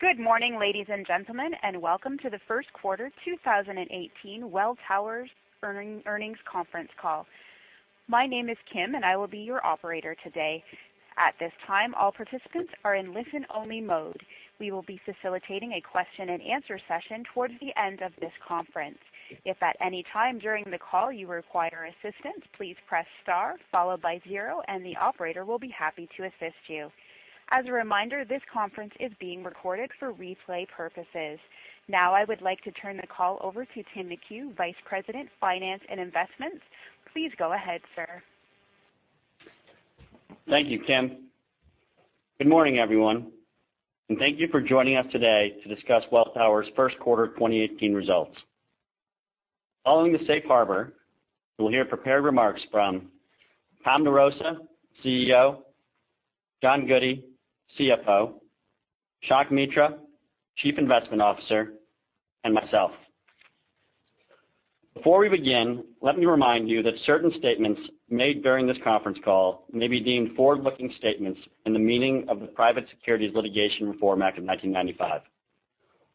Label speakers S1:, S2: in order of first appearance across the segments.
S1: Good morning, ladies and gentlemen, and welcome to the first quarter 2018 Welltower's earnings conference call. My name is Kim, and I will be your operator today. At this time, all participants are in listen-only mode. We will be facilitating a question and answer session towards the end of this conference. If at any time during the call you require assistance, please press star followed by zero, and the operator will be happy to assist you. As a reminder, this conference is being recorded for replay purposes. Now I would like to turn the call over to Tim McHugh, Vice President, Finance and Investments. Please go ahead, sir.
S2: Thank you, Kim. Good morning, everyone, and thank you for joining us today to discuss Welltower's first quarter 2018 results. Following the safe harbor, you will hear prepared remarks from Thomas DeRosa, CEO, John Goodey, CFO, Shankh Mitra, Chief Investment Officer, and myself. Before we begin, let me remind you that certain statements made during this conference call may be deemed forward-looking statements in the meaning of the Private Securities Litigation Reform Act of 1995.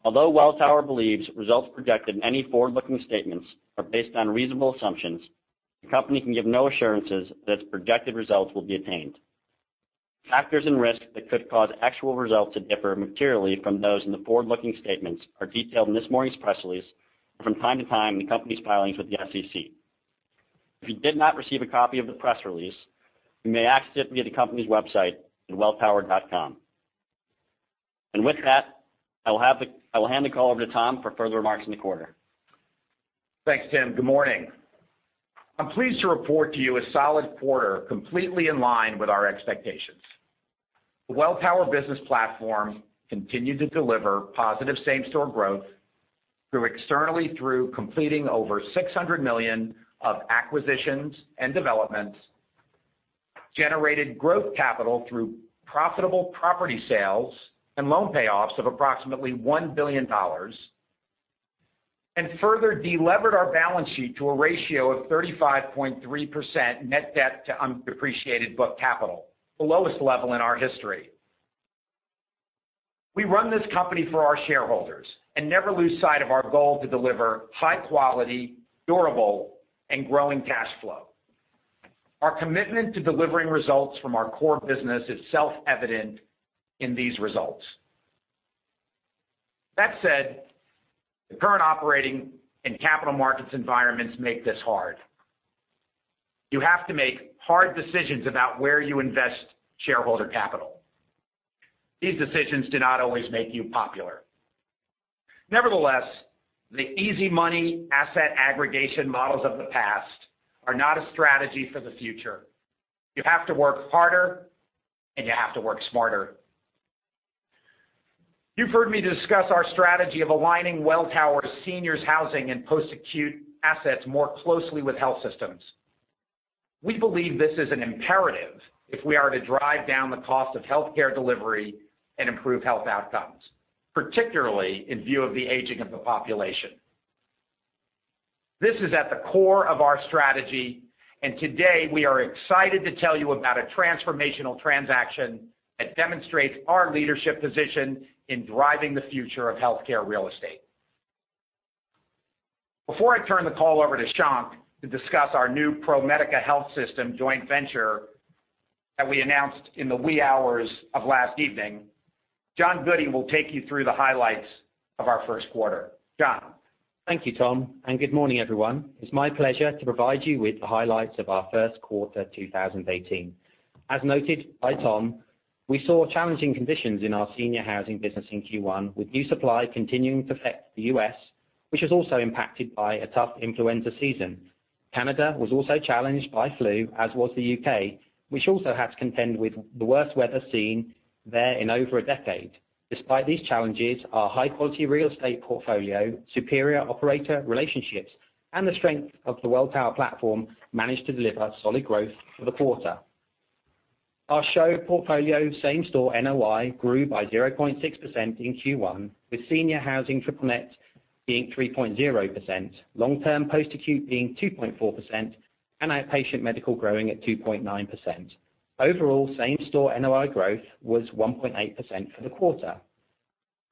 S2: Although Welltower believes results projected in any forward-looking statements are based on reasonable assumptions, the company can give no assurances that its projected results will be attained. Factors and risks that could cause actual results to differ materially from those in the forward-looking statements are detailed in this morning's press release and from time to time in the company's filings with the SEC. If you did not receive a copy of the press release, you may access it via the company's website at welltower.com. With that, I will hand the call over to Tom for further remarks in the quarter.
S3: Thanks, Tim. Good morning. I'm pleased to report to you a solid quarter, completely in line with our expectations. The Welltower business platform continued to deliver positive same-store growth through externally through completing over $600 million of acquisitions and developments, generated growth capital through profitable property sales and loan payoffs of approximately $1 billion, and further delevered our balance sheet to a ratio of 35.3% net debt to undepreciated book capital, the lowest level in our history. We run this company for our shareholders and never lose sight of our goal to deliver high quality, durable, and growing cash flow. Our commitment to delivering results from our core business is self-evident in these results. That said, the current operating and capital markets environments make this hard. You have to make hard decisions about where you invest shareholder capital. These decisions do not always make you popular. Nevertheless, the easy money asset aggregation models of the past are not a strategy for the future. You have to work harder, and you have to work smarter. You've heard me discuss our strategy of aligning Welltower's seniors housing and post-acute assets more closely with health systems. We believe this is an imperative if we are to drive down the cost of healthcare delivery and improve health outcomes, particularly in view of the aging of the population. This is at the core of our strategy, and today we are excited to tell you about a transformational transaction that demonstrates our leadership position in driving the future of healthcare real estate. Before I turn the call over to Shankh to discuss our new ProMedica Health System joint venture that we announced in the wee hours of last evening, John Goodey will take you through the highlights of our first quarter. John?
S4: Thank you, Tom, and good morning, everyone. It's my pleasure to provide you with the highlights of our first quarter 2018. As noted by Tom, we saw challenging conditions in our senior housing business in Q1 with new supply continuing to affect the U.S., which was also impacted by a tough influenza season. Canada was also challenged by flu, as was the U.K., which also had to contend with the worst weather seen there in over a decade. Despite these challenges, our high-quality real estate portfolio, superior operator relationships, and the strength of the Welltower platform managed to deliver solid growth for the quarter. Our SHOP portfolio same-store NOI grew by 0.6% in Q1, with senior housing triple net being 3.0%, long-term post-acute being 2.4%, and outpatient medical growing at 2.9%. Overall, same-store NOI growth was 1.8% for the quarter.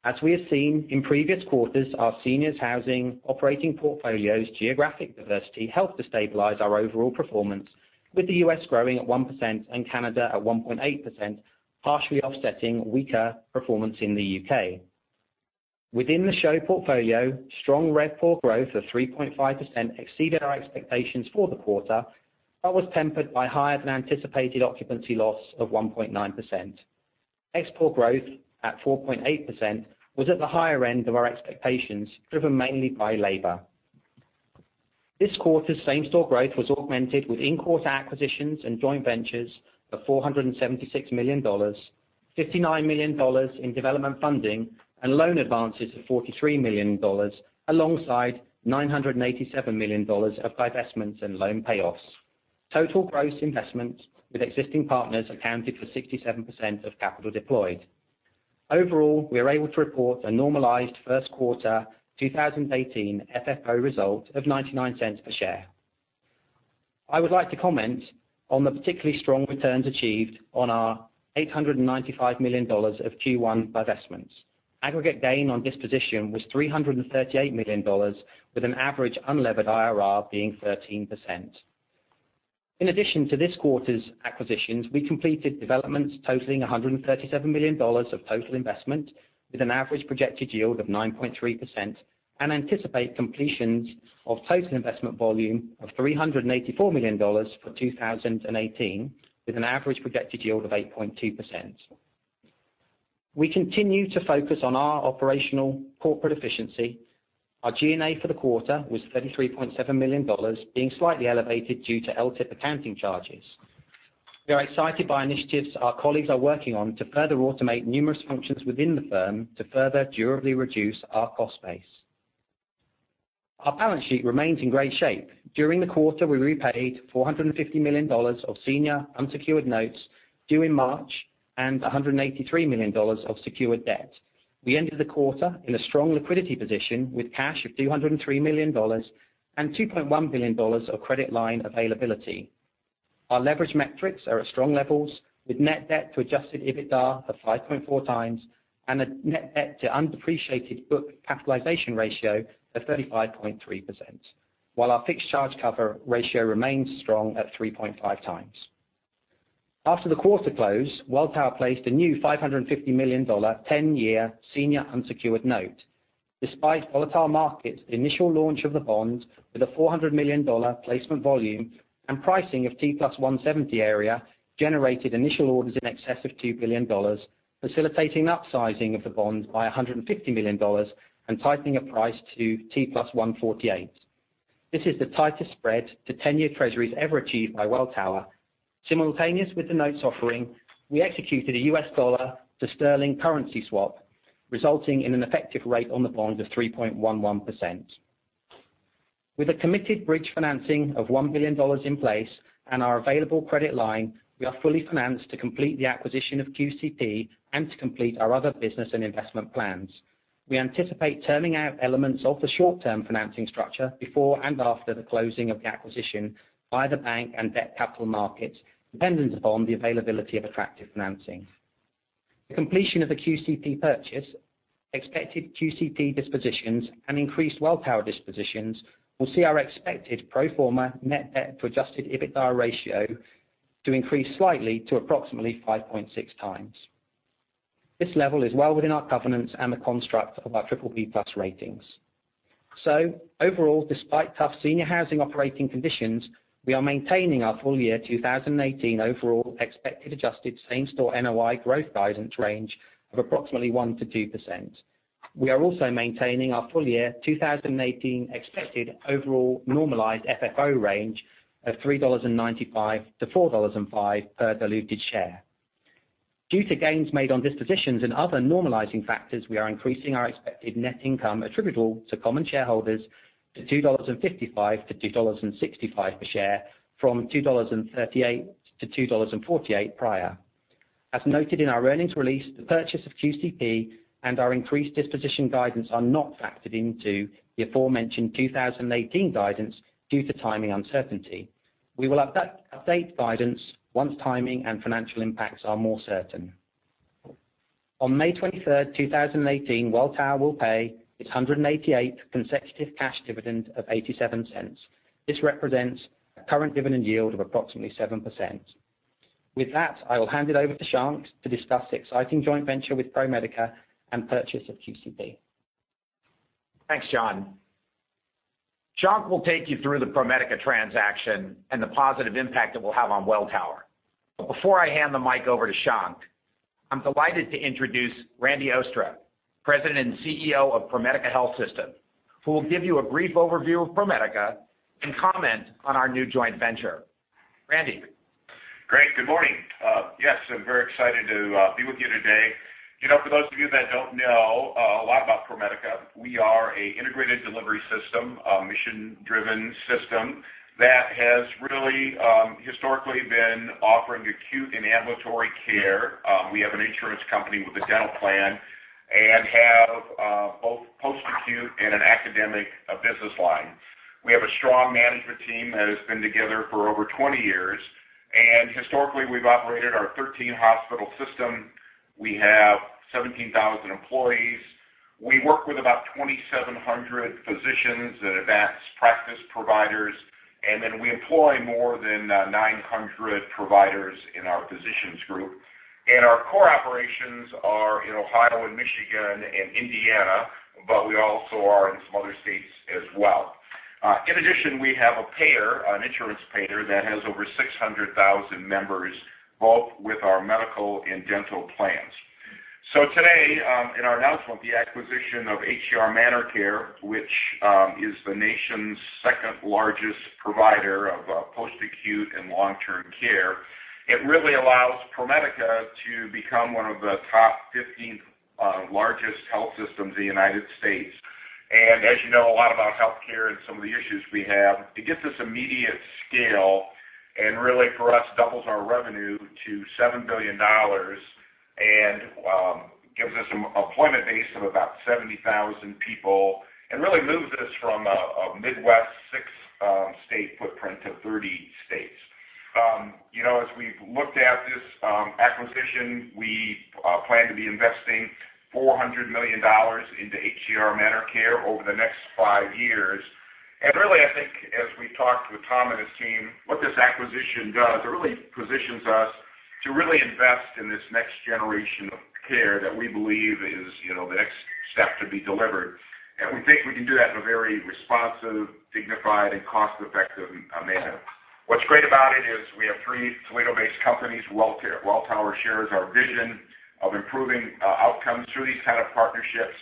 S4: As we have seen in previous quarters, our seniors housing operating portfolio's geographic diversity helped to stabilize our overall performance, with the U.S. growing at 1% and Canada at 1.8%, partially offsetting weaker performance in the U.K. Within the SHOP portfolio, strong RevPOR for growth of 3.5% exceeded our expectations for the quarter but was tempered by higher than anticipated occupancy loss of 1.9%. ExpPOR growth at 4.8% was at the higher end of our expectations, driven mainly by labor. This quarter's same-store growth was augmented with in-quarter acquisitions and joint ventures of $476 million, $59 million in development funding, and loan advances of $43 million alongside $987 million of divestments and loan payoffs. Total gross investments with existing partners accounted for 67% of capital deployed. Overall, we are able to report a normalized first quarter 2018 FFO result of $0.99 per share. I would like to comment on the particularly strong returns achieved on our $895 million of Q1 divestments. Aggregate gain on disposition was $338 million, with an average unlevered IRR being 13%. In addition to this quarter's acquisitions, we completed developments totaling $137 million of total investment, with an average projected yield of 9.3%, and anticipate completions of total investment volume of $384 million for 2018, with an average projected yield of 8.2%. We continue to focus on our operational corporate efficiency. Our G&A for the quarter was $33.7 million, being slightly elevated due to LTIP accounting charges. Our balance sheet remains in great shape. During the quarter, we repaid $450 million of senior unsecured notes due in March and $183 million of secured debt. We ended the quarter in a strong liquidity position, with cash of $203 million and $2.1 billion of credit line availability. Our leverage metrics are at strong levels, with net debt to adjusted EBITDA of 5.4 times and a net debt to undepreciated book capitalization ratio of 35.3%, while our fixed charge cover ratio remains strong at 3.5 times. After the quarter close, Welltower placed a new $550 million 10-year senior unsecured note. Despite volatile markets, the initial launch of the bond with a $400 million placement volume and pricing of T plus 170 area generated initial orders in excess of $2 billion, facilitating the upsizing of the bond by $150 million and tightening of price to T plus 148. This is the tightest spread to 10-year Treasuries ever achieved by Welltower. Simultaneous with the notes offering, we executed a US dollar to sterling currency swap, resulting in an effective rate on the bond of 3.11%. With a committed bridge financing of $1 billion in place and our available credit line, we are fully financed to complete the acquisition of QCP and to complete our other business and investment plans. We anticipate turning out elements of the short-term financing structure before and after the closing of the acquisition by the bank and debt capital markets, dependent upon the availability of attractive financing. The completion of the QCP purchase, expected QCP dispositions, and increased Welltower dispositions will see our expected pro forma net debt to adjusted EBITDA ratio to increase slightly to approximately 5.6 times. This level is well within our governance and the construct of our BBB+ ratings. Overall, despite tough senior housing operating conditions, we are maintaining our full year 2018 overall expected adjusted same store NOI growth guidance range of approximately 1% to 2%. We are also maintaining our full year 2018 expected overall normalized FFO range of $3.95 to $4.05 per diluted share. Due to gains made on dispositions and other normalizing factors, we are increasing our expected net income attributable to common shareholders to $2.55 to $2.65 per share from $2.38 to $2.48 prior. As noted in our earnings release, the purchase of QCP and our increased disposition guidance are not factored into the aforementioned 2018 guidance due to timing uncertainty. We will update guidance once timing and financial impacts are more certain. On May 23rd, 2018, Welltower will pay its 188th consecutive cash dividend of $0.87. This represents a current dividend yield of approximately 7%. With that, I will hand it over to Shank to discuss the exciting joint venture with ProMedica and purchase of QCP.
S3: Thanks, John. Shank will take you through the ProMedica transaction and the positive impact it will have on Welltower. Before I hand the mic over to Shank, I'm delighted to introduce Randy Oostra, President and CEO of ProMedica Health System, who will give you a brief overview of ProMedica and comment on our new joint venture. Randy?
S5: Great. Good morning. Yes, I'm very excited to be with you today. For those of you that don't know a lot about ProMedica, we are an integrated delivery system, a mission-driven system that has really historically been offering acute and ambulatory care. We have an insurance company with a dental plan and have both post-acute and an academic business line. We have a strong management team that has been together for over 20 years, and historically we've operated our 13-hospital system. We have 17,000 employees. We work with about 2,700 physicians and advanced practice providers, then we employ more than 900 providers in our physicians group. Our core operations are in Ohio and Michigan and Indiana, but we also are in some other states as well. In addition, we have a payer, an insurance payer, that has over 600,000 members, both with our medical and dental plans. Today, in our announcement, the acquisition of HCR ManorCare, which is the nation's second-largest provider of post-acute and long-term care, it really allows ProMedica to become one of the top 15 largest health systems in the U.S. As you know a lot about healthcare and some of the issues we have, it gives us immediate scale. Really, for us, doubles our revenue to $7 billion and gives us an employment base of about 70,000 people and really moves us from a Midwest six-state footprint to 30 states. As we've looked at this acquisition, we plan to be investing $400 million into HCR ManorCare over the next five years. Really, I think as we talked with Tom and his team, what this acquisition does, it really positions us to really invest in this next generation of care that we believe is the next step to be delivered. We think we can do that in a very responsive, dignified, and cost-effective manner. What's great about it is we have three Toledo-based companies. Welltower shares our vision of improving outcomes through these kind of partnerships.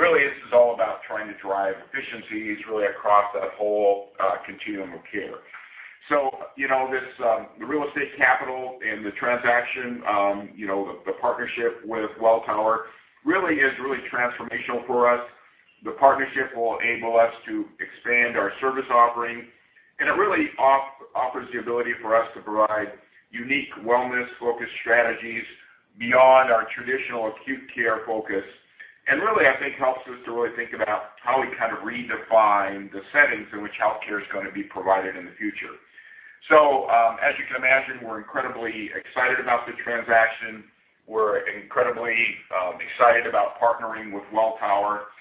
S5: Really, this is all about trying to drive efficiencies really across that whole continuum of care. The real estate capital and the transaction, the partnership with Welltower really is really transformational for us. The partnership will enable us to expand our service offering. It really offers the ability for us to provide unique wellness-focused strategies beyond our traditional acute care focus. Really, I think helps us to really think about how we kind of redefine the settings in which healthcare is going to be provided in the future. As you can imagine, we're incredibly excited about the transaction. We're incredibly excited about partnering with Welltower.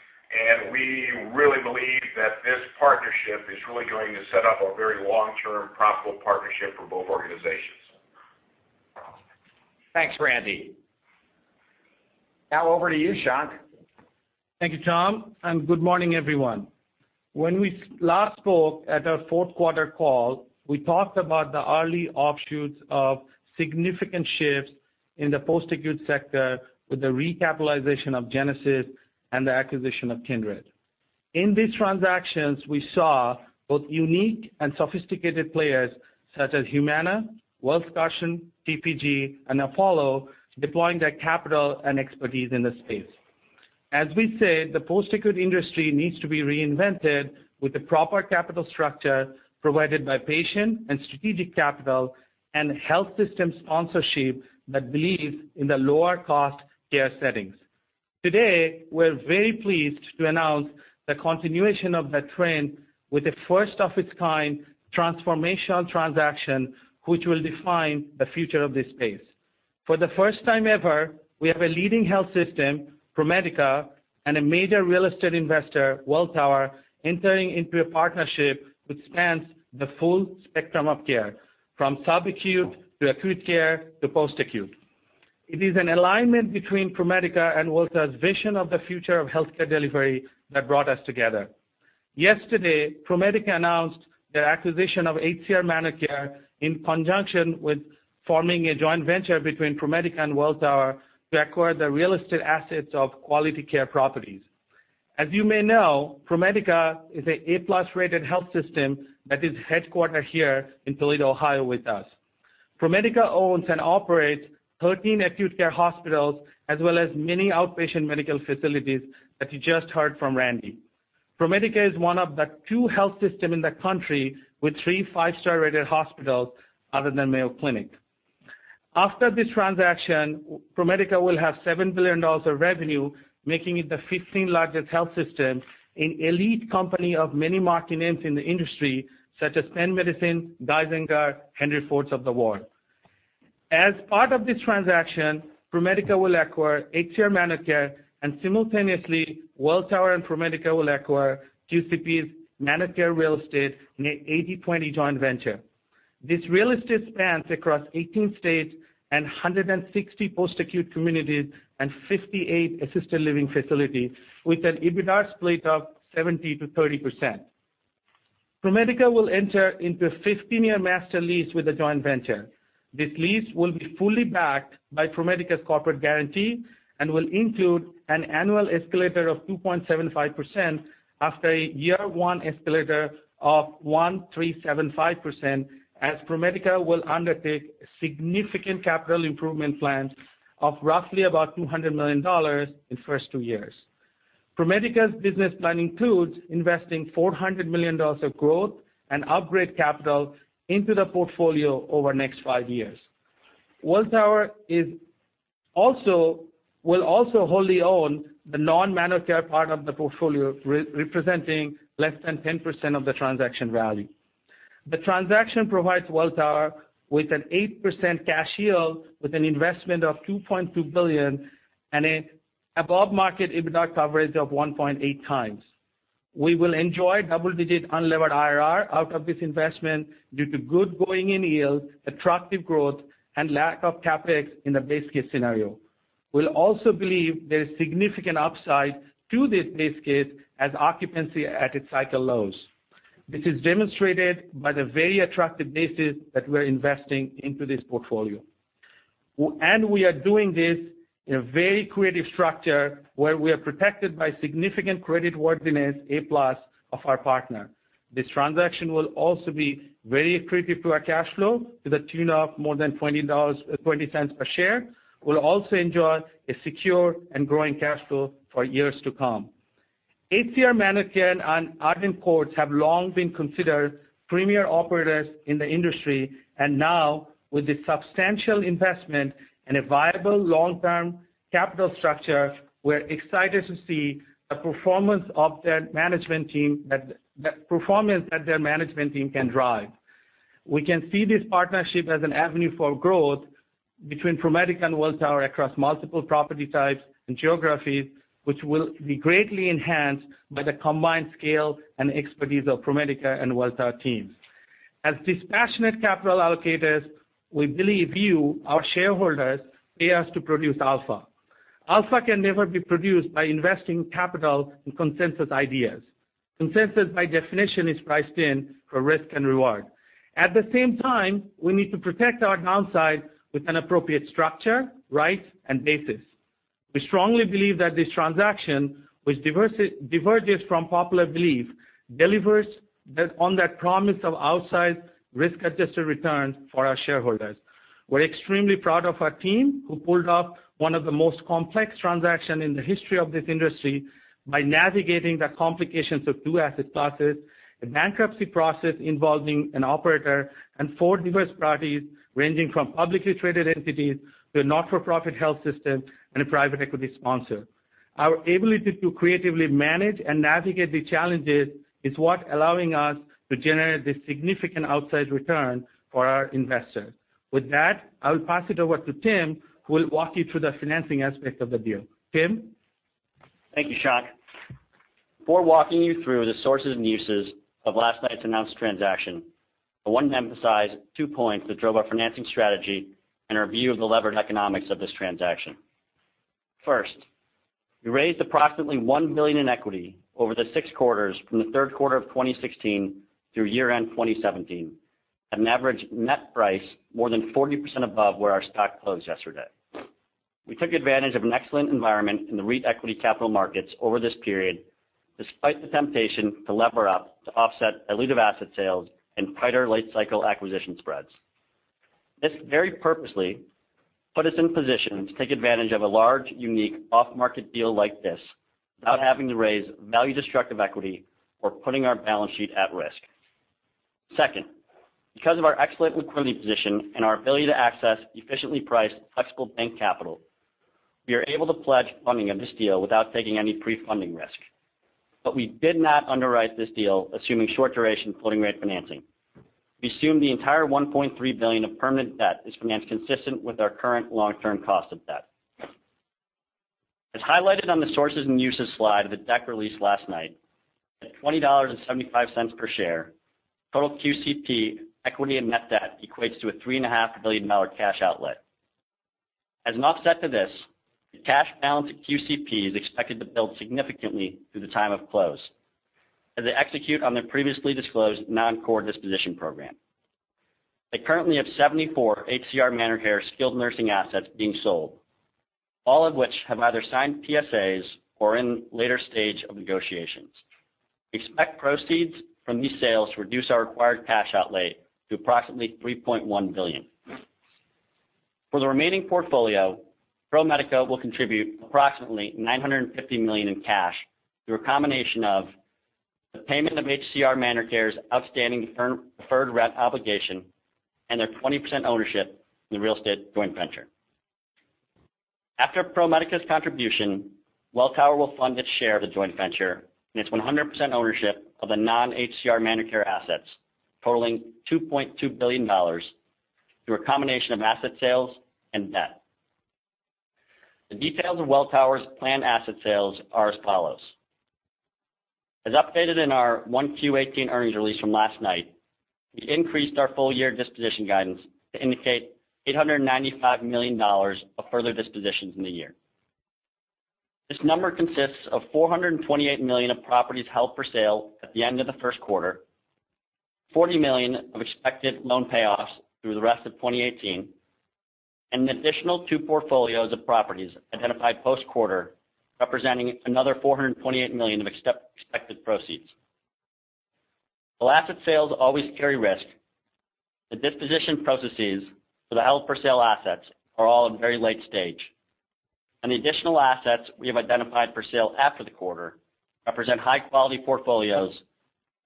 S5: We really believe that this partnership is really going to set up a very long-term profitable partnership for both organizations.
S3: Thanks, Randy. Now over to you, Shankh.
S6: Thank you, Tom. Good morning, everyone. When we last spoke at our fourth quarter call, we talked about the early offshoots of significant shifts in the post-acute sector with the recapitalization of Genesis and the acquisition of Kindred. In these transactions, we saw both unique and sophisticated players such as Humana, Welsh Carson, TPG, and Apollo deploying their capital and expertise in the space. As we said, the post-acute industry needs to be reinvented with the proper capital structure provided by patient and strategic capital and health system sponsorship that believes in the lower cost care settings. Today, we're very pleased to announce the continuation of that trend with a first of its kind transformational transaction, which will define the future of this space. For the first time ever, we have a leading health system, ProMedica, and a major real estate investor, Welltower, entering into a partnership which spans the full spectrum of care, from sub-acute to acute care to post-acute. It is an alignment between ProMedica and Welltower's vision of the future of healthcare delivery that brought us together. Yesterday, ProMedica announced their acquisition of HCR ManorCare in conjunction with forming a joint venture between ProMedica and Welltower to acquire the real estate assets of Quality Care Properties. As you may know, ProMedica is an A-plus rated health system that is headquartered here in Toledo, Ohio, with us. ProMedica owns and operates 13 acute care hospitals, as well as many outpatient medical facilities that you just heard from Randy. ProMedica is one of the two health systems in the country with three five-star rated hospitals other than Mayo Clinic. After this transaction, ProMedica will have $7 billion of revenue, making it the 15th largest health system in elite company of many market names in the industry, such as Penn Medicine, Geisinger, Henry Ford's of the world. As part of this transaction, ProMedica will acquire HCR ManorCare, simultaneously, Welltower and ProMedica will acquire QCP's ManorCare Real Estate in an 80/20 joint venture. This real estate spans across 18 states and 160 post-acute communities and 58 assisted living facilities, with an EBITDA split of 70% to 30%. ProMedica will enter into a 15-year master lease with the joint venture. This lease will be fully backed by ProMedica's corporate guarantee and will include an annual escalator of 2.75% after a year one escalator of 1.375%, as ProMedica will undertake significant capital improvement plans of roughly about $200 million in the first two years. ProMedica's business plan includes investing $400 million of growth and upgrade capital into the portfolio over the next five years. Welltower will also wholly own the non-ManorCare part of the portfolio, representing less than 10% of the transaction value. The transaction provides Welltower with an 8% cash yield with an investment of $2.2 billion and an above-market EBITDA coverage of 1.8 times. We will enjoy double-digit unlevered IRR out of this investment due to good going-in yields, attractive growth, and lack of CapEx in the base case scenario. We'll also believe there is significant upside to this base case as occupancy at its cycle lows. This is demonstrated by the very attractive basis that we're investing into this portfolio. We are doing this in a very creative structure where we are protected by significant creditworthiness, A-plus of our partner. This transaction will also be very accretive to our cash flow to the tune of more than $0.20 per share. We'll also enjoy a secure and growing cash flow for years to come. HCR ManorCare and Arden Courts have long been considered premier operators in the industry. Now, with a substantial investment and a viable long-term capital structure, we're excited to see the performance that their management team can drive. We can see this partnership as an avenue for growth between ProMedica and Welltower across multiple property types and geographies, which will be greatly enhanced by the combined scale and expertise of ProMedica and Welltower teams. As dispassionate capital allocators, we believe you, our shareholders, pay us to produce alpha. Alpha can never be produced by investing capital in consensus ideas. Consensus, by definition, is priced in for risk and reward. At the same time, we need to protect our downside with an appropriate structure, right, and basis. We strongly believe that this transaction, which diverges from popular belief, delivers on that promise of outsized risk-adjusted returns for our shareholders. We're extremely proud of our team, who pulled off one of the most complex transaction in the history of this industry by navigating the complications of two asset classes, a bankruptcy process involving an operator, four diverse parties ranging from publicly traded entities to a not-for-profit health system, and a private equity sponsor. Our ability to creatively manage and navigate the challenges is what allowing us to generate this significant outsized return for our investors. With that, I will pass it over to Tim, who will walk you through the financing aspect of the deal. Tim?
S2: Thank you, Shankh. Before walking you through the sources and uses of last night's announced transaction, I want to emphasize two points that drove our financing strategy and our view of the levered economics of this transaction. First, we raised approximately $1 billion in equity over the 6 quarters from the third quarter of 2016 through year-end 2017, at an average net price more than 40% above where our stock closed yesterday. We took advantage of an excellent environment in the REIT equity capital markets over this period, despite the temptation to lever up to offset elusive asset sales and tighter late-cycle acquisition spreads. This very purposely put us in position to take advantage of a large, unique off-market deal like this without having to raise value-destructive equity or putting our balance sheet at risk. Second, because of our excellent liquidity position and our ability to access efficiently priced flexible bank capital, we are able to pledge funding of this deal without taking any pre-funding risk. We did not underwrite this deal assuming short duration floating rate financing. We assume the entire $1.3 billion of permanent debt is financed consistent with our current long-term cost of debt. As highlighted on the sources and uses slide of the deck released last night, at $20.75 per share, total QCP equity and net debt equates to a $3.5 billion cash outlay. As an offset to this, the cash balance at QCP is expected to build significantly through the time of close as they execute on their previously disclosed non-core disposition program. They currently have 74 HCR ManorCare skilled nursing assets being sold, all of which have either signed PSAs or in later stage of negotiations. We expect proceeds from these sales to reduce our required cash outlay to approximately $3.1 billion. For the remaining portfolio, ProMedica will contribute approximately $950 million in cash through a combination of the payment of HCR ManorCare's outstanding preferred rep obligation and their 20% ownership in the real estate joint venture. After ProMedica's contribution, Welltower will fund its share of the joint venture and its 100% ownership of the non-HCR ManorCare assets, totaling $2.2 billion through a combination of asset sales and debt. The details of Welltower's planned asset sales are as follows. As updated in our 1Q18 earnings release from last night, we increased our full year disposition guidance to indicate $895 million of further dispositions in the year. This number consists of $428 million of properties held for sale at the end of the first quarter, $40 million of expected loan payoffs through the rest of 2018, and an additional two portfolios of properties identified post-quarter, representing another $428 million of expected proceeds. While asset sales always carry risk, the disposition processes for the held-for-sale assets are all in very late stage, and the additional assets we have identified for sale after the quarter represent high-quality portfolios,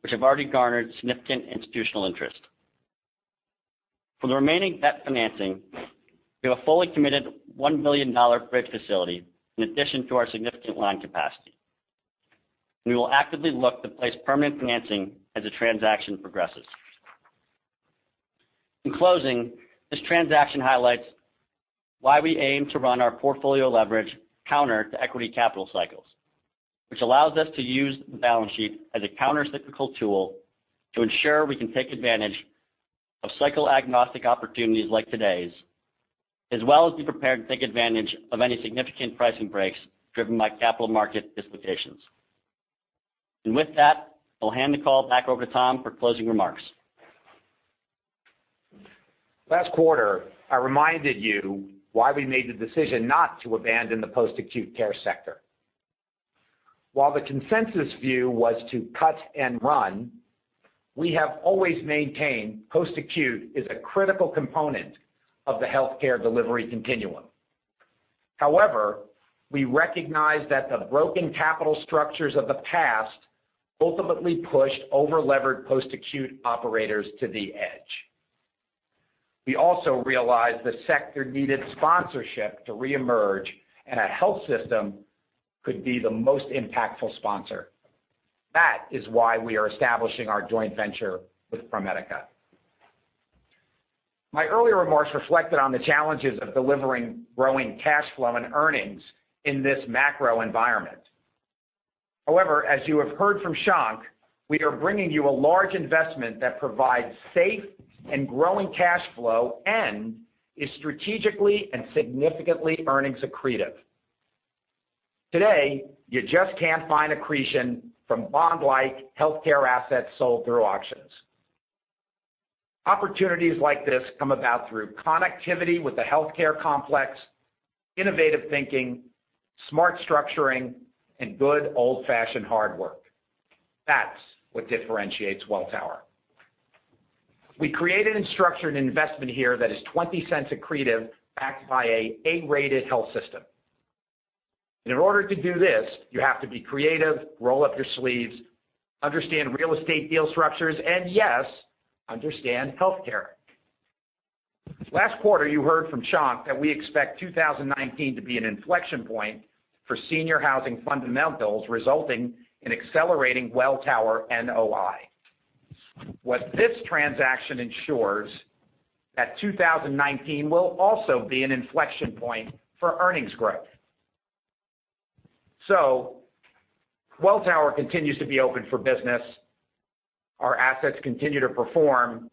S2: which have already garnered significant institutional interest. For the remaining debt financing, we have a fully committed $1 billion FRB facility in addition to our significant line capacity. We will actively look to place permanent financing as the transaction progresses. In closing, this transaction highlights why we aim to run our portfolio leverage counter to equity capital cycles. Which allows us to use the balance sheet as a countercyclical tool to ensure we can take advantage of cycle-agnostic opportunities like today's, as well as be prepared to take advantage of any significant pricing breaks driven by capital market dislocations. With that, I'll hand the call back over to Tom for closing remarks.
S3: Last quarter, I reminded you why we made the decision not to abandon the post-acute care sector. While the consensus view was to cut and run We have always maintained post-acute is a critical component of the healthcare delivery continuum. However, we recognize that the broken capital structures of the past ultimately pushed over-levered post-acute operators to the edge. We also realized the sector needed sponsorship to reemerge, and a health system could be the most impactful sponsor. That is why we are establishing our joint venture with ProMedica. My earlier remarks reflected on the challenges of delivering growing cash flow and earnings in this macro environment. However, as you have heard from Shankh, we are bringing you a large investment that provides safe and growing cash flow and is strategically and significantly earnings accretive. Today, you just can't find accretion from bond-like healthcare assets sold through auctions. Opportunities like this come about through connectivity with the healthcare complex, innovative thinking, smart structuring, and good old-fashioned hard work. That's what differentiates Welltower. We created and structured an investment here that is $0.20 accretive, backed by an A-rated health system. In order to do this, you have to be creative, roll up your sleeves, understand real estate deal structures, and yes, understand healthcare. Last quarter, you heard from Shankh that we expect 2019 to be an inflection point for senior housing fundamentals, resulting in accelerating Welltower NOI. What this transaction ensures, that 2019 will also be an inflection point for earnings growth. Welltower continues to be open for business. Our assets continue to perform,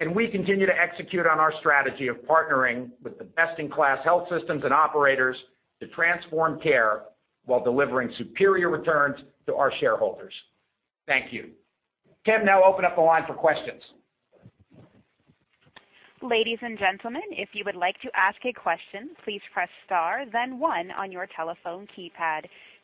S3: and we continue to execute on our strategy of partnering with the best-in-class health systems and operators to transform care while delivering superior returns to our shareholders. Thank you. Kim now open up the line for questions.
S1: Ladies and gentlemen, if you would like to ask a question, please press star then one on your telephone keypad.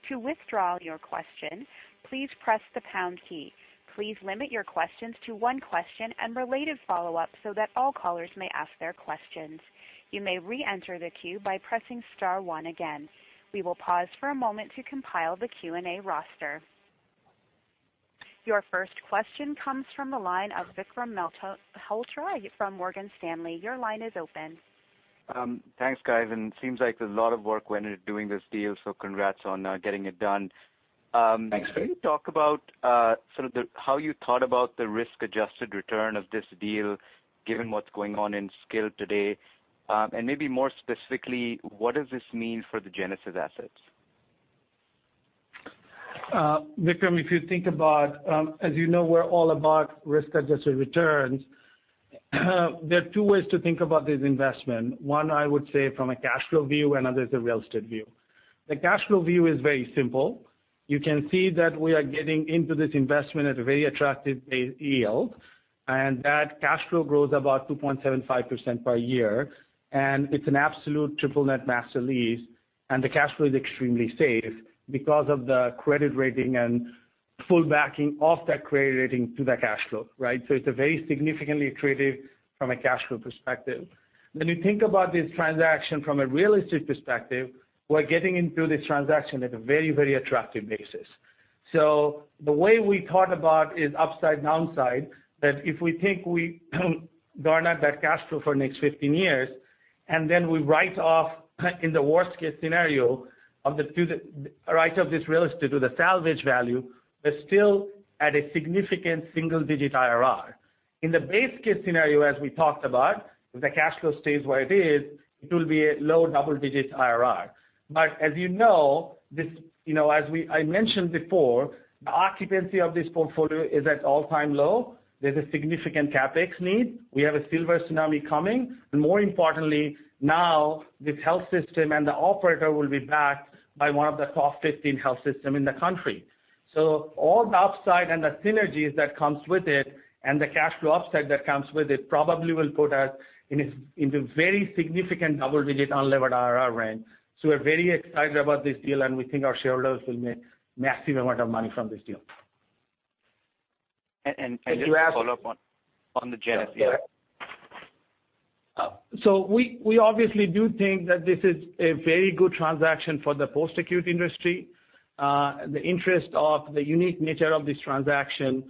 S1: To withdraw your question, please press the pound key. Please limit your questions to one question and related follow-up so that all callers may ask their questions. You may reenter the queue by pressing star one again. We will pause for a moment to compile the Q&A roster. Your first question comes from the line of Vikram Malhotra from Morgan Stanley. Your line is open.
S7: Thanks, guys. It seems like a lot of work went into doing this deal, congrats on getting it done.
S3: Thanks.
S7: Can you talk about how you thought about the risk-adjusted return of this deal, given what's going on in SNF today? Maybe more specifically, what does this mean for the Genesis assets?
S6: Vikram, if you think about, as you know, we're all about risk-adjusted returns. There are two ways to think about this investment. One, I would say from a cash flow view, another is a real estate view. The cash flow view is very simple. You can see that we are getting into this investment at a very attractive base yield, that cash flow grows about 2.75% per year, it's an absolute triple net master lease. The cash flow is extremely safe because of the credit rating and full backing of that credit rating to the cash flow, right? It's very significantly accretive from a cash flow perspective. When you think about this transaction from a real estate perspective, we're getting into this transaction at a very attractive basis. The way we thought about is upside, downside, that if we think we garner that cash flow for next 15 years, then we write off in the worst-case scenario of the write-off of this real estate to the salvage value, we're still at a significant single-digit IRR. In the base case scenario, as we talked about, if the cash flow stays where it is, it will be a low double-digit IRR. As you know, as I mentioned before, the occupancy of this portfolio is at all-time low. There's a significant CapEx need. We have a silver tsunami coming. More importantly, now this health system and the operator will be backed by one of the top 15 health systems in the country. All the upside and the synergies that comes with it and the cash flow upside that comes with it probably will put us in the very significant double-digit unlevered IRR range. We're very excited about this deal, and we think our shareholders will make massive amount of money from this deal.
S7: Just to follow up on the Genesis.
S6: We obviously do think that this is a very good transaction for the post-acute industry. The interest of the unique nature of this transaction,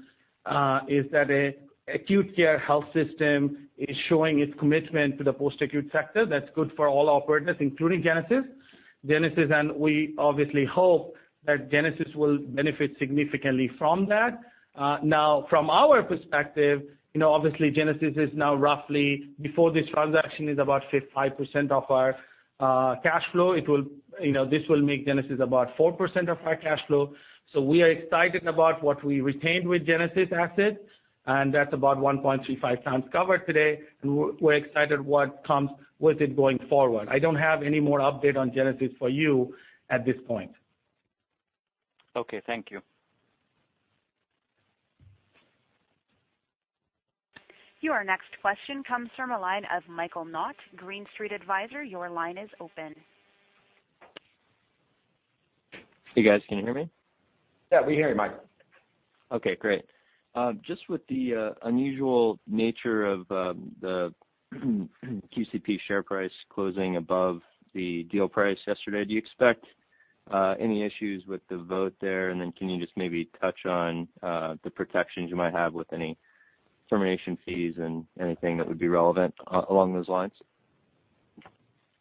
S6: is that a acute care health system is showing its commitment to the post-acute sector. That's good for all operators, including Genesis. We obviously hope that Genesis will benefit significantly from that. Now from our perspective, obviously Genesis is now roughly, before this transaction, is about 5% of our cash flow. This will make Genesis about 4% of our cash flow. We are excited about what we retained with Genesis assets, and that's about 1.35 times covered today. We're excited what comes with it going forward. I don't have any more update on Genesis for you at this point.
S7: Okay. Thank you.
S1: Your next question comes from a line of Michael Knott, Green Street Advisors, your line is open.
S8: Hey, guys, can you hear me?
S3: Yeah, we hear you, Michael.
S8: Okay, great. Just with the unusual nature of the QCP share price closing above the deal price yesterday, do you expect any issues with the vote there? Can you just maybe touch on the protections you might have with any termination fees and anything that would be relevant along those lines?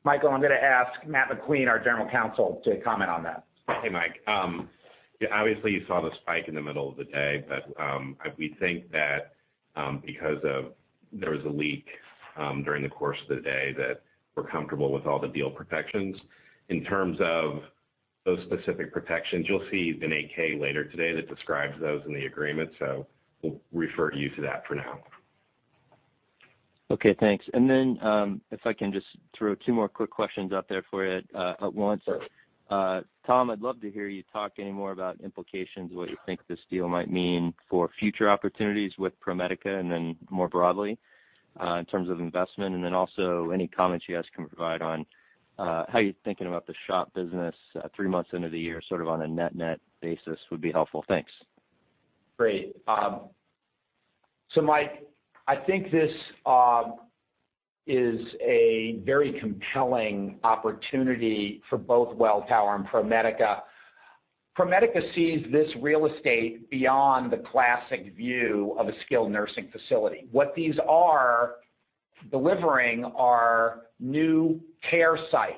S3: Michael, I'm going to ask Matthew McQueen, our General Counsel, to comment on that.
S9: Hey, Mike. Yeah, obviously, you saw the spike in the middle of the day, we think that because there was a leak during the course of the day, that we're comfortable with all the deal protections. In terms of those specific protections, you'll see an 8-K later today that describes those in the agreement. We'll refer you to that for now.
S8: Okay, thanks. If I can just throw two more quick questions out there for you at once.
S3: Sure.
S8: Tom, I'd love to hear you talk any more about implications, what you think this deal might mean for future opportunities with ProMedica, and then more broadly, in terms of investment, and then also any comments you guys can provide on how you're thinking about the SHOP business three months into the year, sort of on a net-net basis would be helpful. Thanks.
S3: Great. Mike, I think this is a very compelling opportunity for both Welltower and ProMedica. ProMedica sees this real estate beyond the classic view of a skilled nursing facility. What these are delivering are new care sites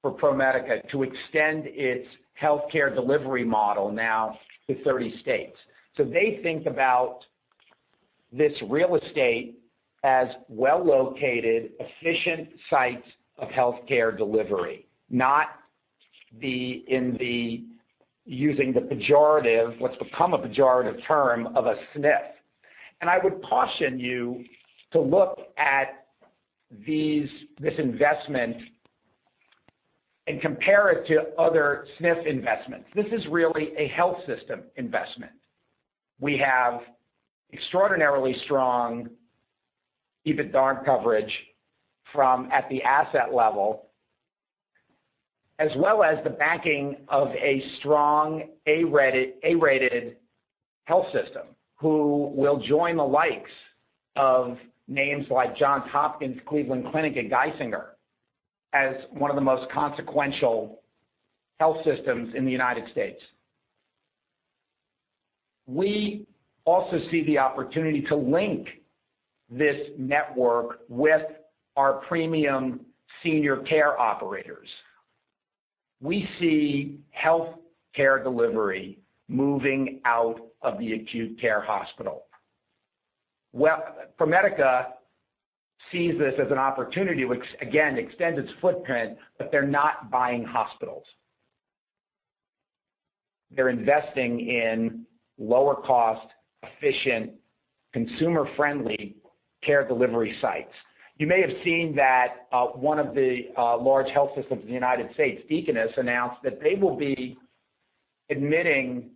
S3: for ProMedica to extend its healthcare delivery model now to 30 states. They think about this real estate as well-located, efficient sites of healthcare delivery, not using the pejorative, what's become a pejorative term, of a SNF. I would caution you to look at this investment and compare it to other SNF investments. This is really a health system investment. We have extraordinarily strong EBITDA coverage from at the asset level, as well as the backing of a strong A-rated health system, who will join the likes of names like Johns Hopkins, Cleveland Clinic, and Geisinger as one of the most consequential health systems in the U.S. We also see the opportunity to link this network with our premium senior care operators. We see healthcare delivery moving out of the acute care hospital. ProMedica sees this as an opportunity, which again, extends its footprint, but they're not buying hospitals. They're investing in lower cost, efficient, consumer-friendly care delivery sites. You may have seen that one of the large health systems in the U.S., Deaconess, announced that they will be admitting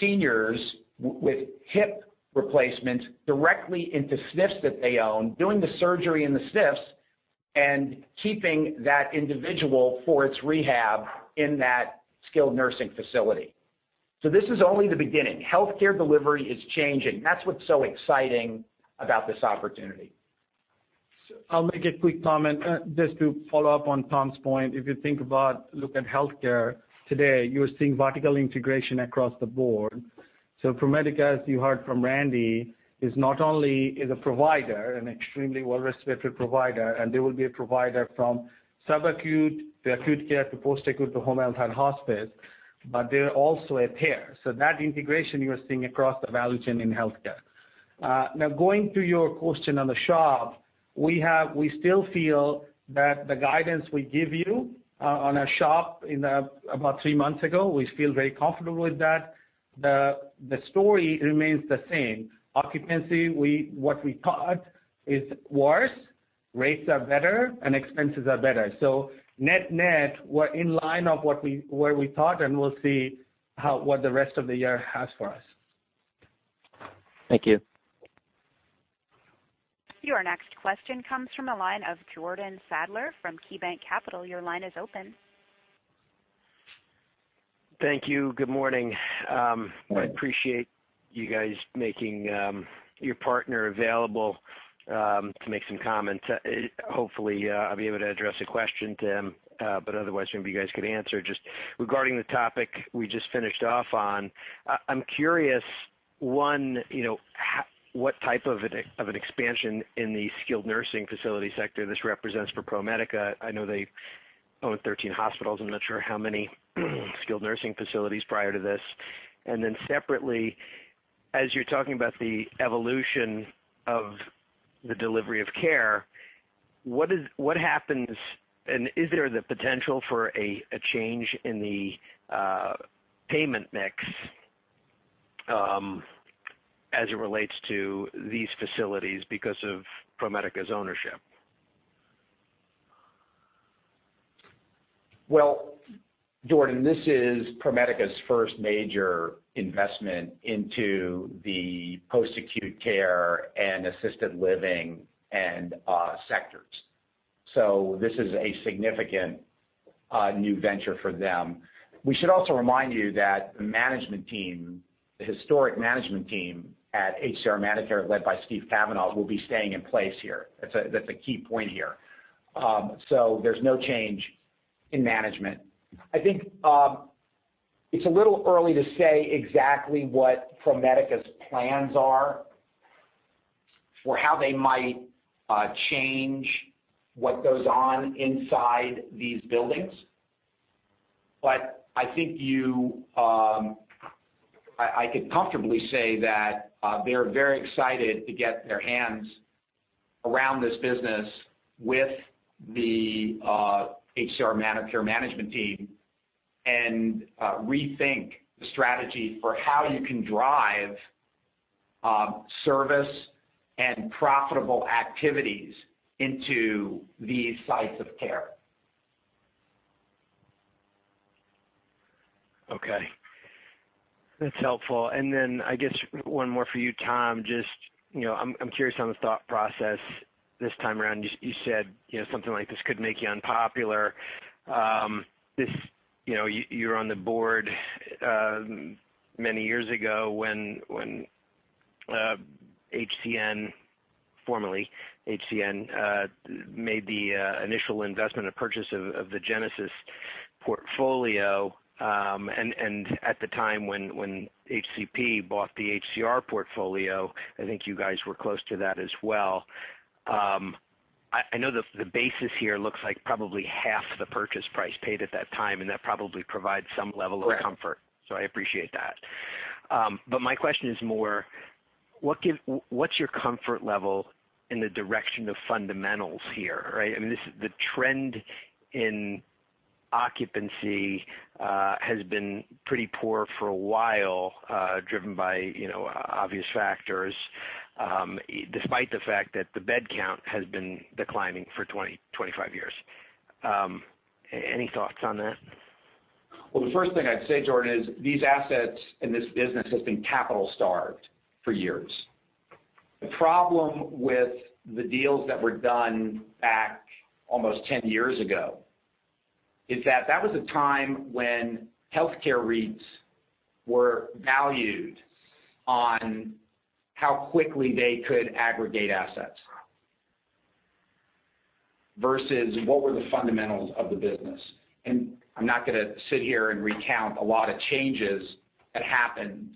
S3: seniors with hip replacements directly into SNFs that they own, doing the surgery in the SNFs and keeping that individual for its rehab in that skilled nursing facility. This is only the beginning. Healthcare delivery is changing. That's what's so exciting about this opportunity.
S6: I'll make a quick comment just to follow up on Tom's point. If you think about looking at healthcare today, you're seeing vertical integration across the board. ProMedica, as you heard from Randy, is not only is a provider, an extremely well-respected provider, and they will be a provider from sub-acute to acute care to post-acute to home health and hospice, they're also a payer. That integration you're seeing across the value chain in healthcare. Going to your question on the SHOP, we still feel that the guidance we give you on our SHOP about three months ago, we feel very comfortable with that. The story remains the same. Occupancy, what we thought is worse, rates are better, and expenses are better. Net-net, we're in line of where we thought, we'll see what the rest of the year has for us.
S8: Thank you.
S1: Your next question comes from the line of Jordan Sadler from KeyBanc Capital. Your line is open.
S10: Thank you. Good morning.
S3: Morning.
S10: I appreciate you guys making your partner available to make some comments. Hopefully, I'll be able to address a question to him. Otherwise, maybe you guys could answer. Just regarding the topic we just finished off on, I'm curious, one, what type of an expansion in the skilled nursing facility sector this represents for ProMedica? I know they own 13 hospitals. I'm not sure how many skilled nursing facilities prior to this. Then separately, as you're talking about the evolution of the delivery of care, what happens, and is there the potential for a change in the payment mix as it relates to these facilities because of ProMedica's ownership?
S3: Well, Jordan, this is ProMedica's first major investment into the post-acute care and assisted living and sectors. This is a significant new venture for them. We should also remind you that the historic management team at HCR ManorCare, led by Steven Cavanaugh, will be staying in place here. That's a key point here. There's no change in management. I think it's a little early to say exactly what ProMedica's plans are for how they might change what goes on inside these buildings. I could comfortably say that they're very excited to get their hands around this business with the HCR ManorCare management team and rethink the strategy for how you can drive service and profitable activities into these sites of care.
S10: Okay. That's helpful. I guess one more for you, Tom. I'm curious on the thought process this time around. You said something like this could make you unpopular. You were on the board many years ago when HCN, formerly HCN, made the initial investment and purchase of the Genesis portfolio. At the time when HCP bought the HCR portfolio, I think you guys were close to that as well. I know the basis here looks like probably half the purchase price paid at that time, and that probably provides some level of comfort.
S3: Correct.
S10: I appreciate that. My question is more, what's your comfort level in the direction of fundamentals here? The trend in occupancy has been pretty poor for a while, driven by obvious factors, despite the fact that the bed count has been declining for 25 years. Any thoughts on that?
S3: Well, the first thing I'd say, Jordan, is these assets and this business has been capital-starved for years. The problem with the deals that were done back almost 10 years ago is that that was a time when healthcare REITs were valued on how quickly they could aggregate assets versus what were the fundamentals of the business. I'm not going to sit here and recount a lot of changes that happened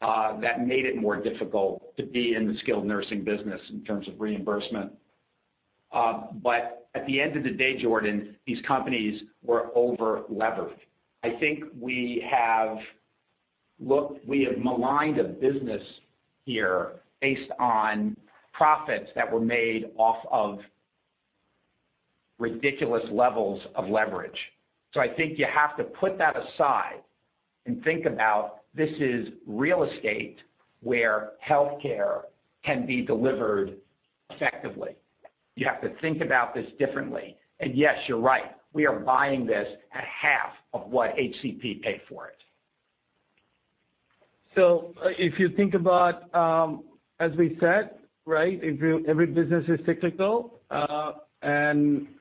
S3: that made it more difficult to be in the skilled nursing business in terms of reimbursement. At the end of the day, Jordan, these companies were over-levered. I think we have maligned a business here based on profits that were made off of ridiculous levels of leverage. I think you have to put that aside and think about this is real estate where healthcare can be delivered effectively. You have to think about this differently. yes, you're right. We are buying this at half of what HCP paid for it.
S6: If you think about, as we said, every business is cyclical.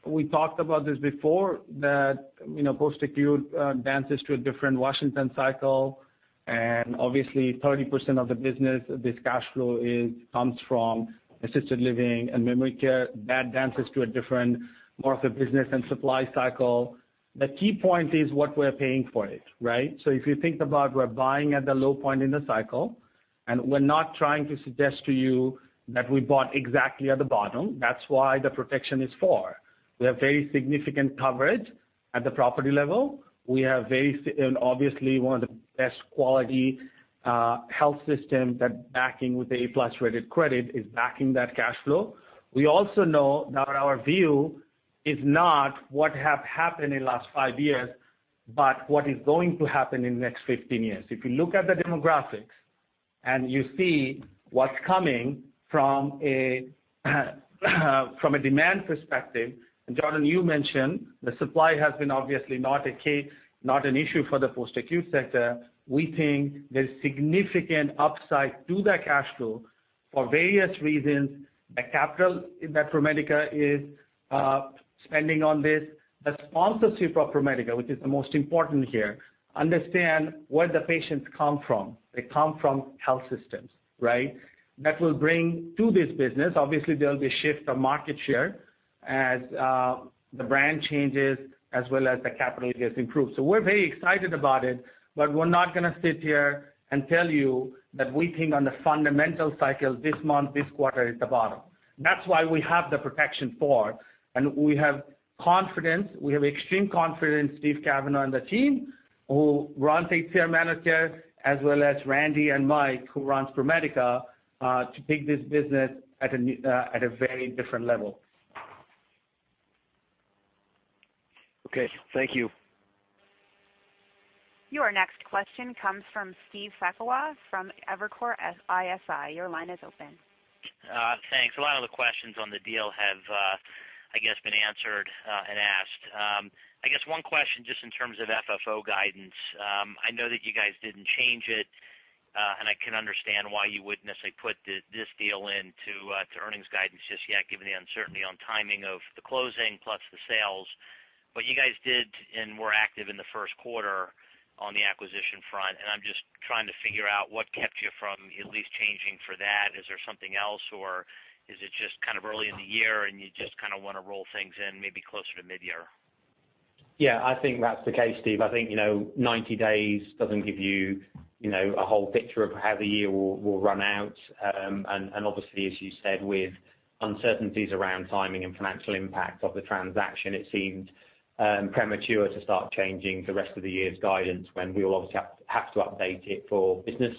S6: We talked about this before, that post-acute dances to a different Washington cycle, and obviously 30% of the business of this cash flow comes from assisted living and memory care. That dances to a different more of a business and supply cycle. The key point is what we're paying for it. If you think about we're buying at the low point in the cycle, and we're not trying to suggest to you that we bought exactly at the bottom. That's what the protection is for. We have very significant coverage at the property level. We have obviously one of the best quality health systems that A-plus rated credit is backing that cash flow. We also know that our view is not what has happened in the last five years, but what is going to happen in the next 15 years. If you look at the demographics and you see what's coming from a demand perspective, and Jordan, you mentioned the supply has been obviously not an issue for the post-acute sector. We think there's significant upside to that cash flow for various reasons. The capital that ProMedica is spending on this, the sponsorship of ProMedica, which is the most important here, understand where the patients come from. They come from health systems. That will bring to this business, obviously there'll be a shift of market share as the brand changes as well as the capital gets improved. We're very excited about it, but we're not going to sit here and tell you that we think on the fundamental cycle this month, this quarter is the bottom. That's why we have the protection for, and we have extreme confidence Steven Cavanaugh and the team who runs HCR ManorCare as well as Randy and Mike, who runs ProMedica, to take this business at a very different level.
S10: Okay. Thank you.
S1: Your next question comes from Steve Sakwa from Evercore ISI. Your line is open.
S11: Thanks. A lot of the questions on the deal have, I guess, been answered and asked. I guess one question just in terms of FFO guidance. I know that you guys didn't change it. I can understand why you wouldn't necessarily put this deal into earnings guidance just yet, given the uncertainty on timing of the closing plus the sales. You guys did and were active in the first quarter on the acquisition front, and I'm just trying to figure out what kept you from at least changing for that. Is there something else or is it just early in the year and you just want to roll things in maybe closer to mid-year?
S4: Yeah, I think that's the case, Steve. I think 90 days doesn't give you a whole picture of how the year will run out. Obviously, as you said, with uncertainties around timing and financial impact of the transaction, it seemed premature to start changing the rest of the year's guidance when we will obviously have to update it for business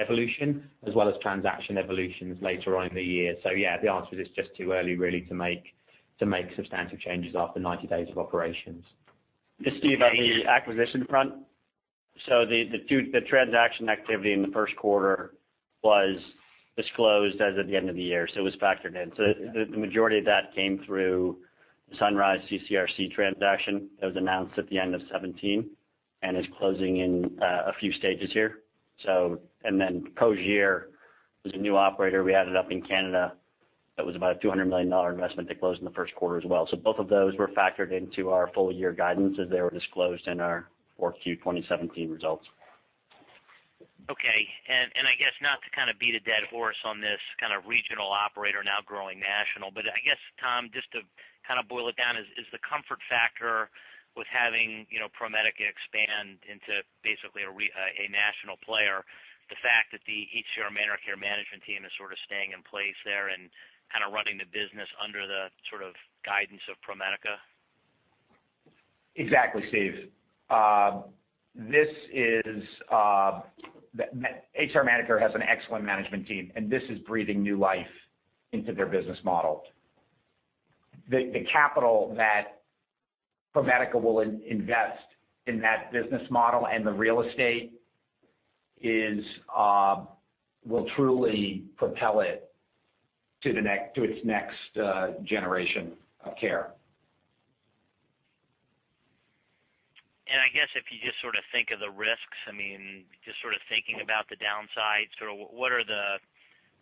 S4: evolution as well as transaction evolutions later on in the year. Yeah, the answer is it's just too early, really, to make substantive changes after 90 days of operations.
S2: Steve, on the acquisition front. The transaction activity in the first quarter was disclosed as of the end of the year, it was factored in. The majority of that came through the Sunrise CCRC transaction that was announced at the end of 2017 and is closing in a few stages here. Cogir is a new operator we added up in Canada that was about a $200 million investment that closed in the first quarter as well. Both of those were factored into our full year guidance as they were disclosed in our fourth Q 2017 results.
S11: Okay. I guess not to beat a dead horse on this regional operator now growing national, I guess, Tom, just to boil it down, is the comfort factor with having ProMedica expand into basically a national player, the fact that the HCR ManorCare management team is sort of staying in place there and running the business under the sort of guidance of ProMedica?
S3: Exactly, Steve. HCR ManorCare has an excellent management team, this is breathing new life into their business model. The capital that ProMedica will invest in that business model and the real estate will truly propel it to its next generation of care.
S11: I guess if you just think of the risks, just thinking about the downsides, what are the,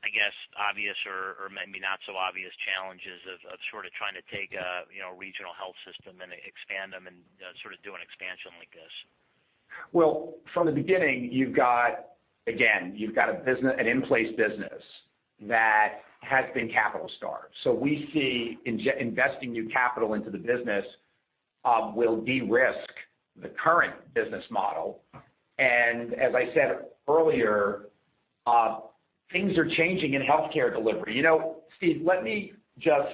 S11: I guess, obvious or maybe not so obvious challenges of trying to take a regional health system and expand them and do an expansion like this?
S3: Well, from the beginning, again, you've got an in-place business that has been capital starved. We see investing new capital into the business will de-risk the current business model. As I said earlier, things are changing in healthcare delivery. Steve, let me just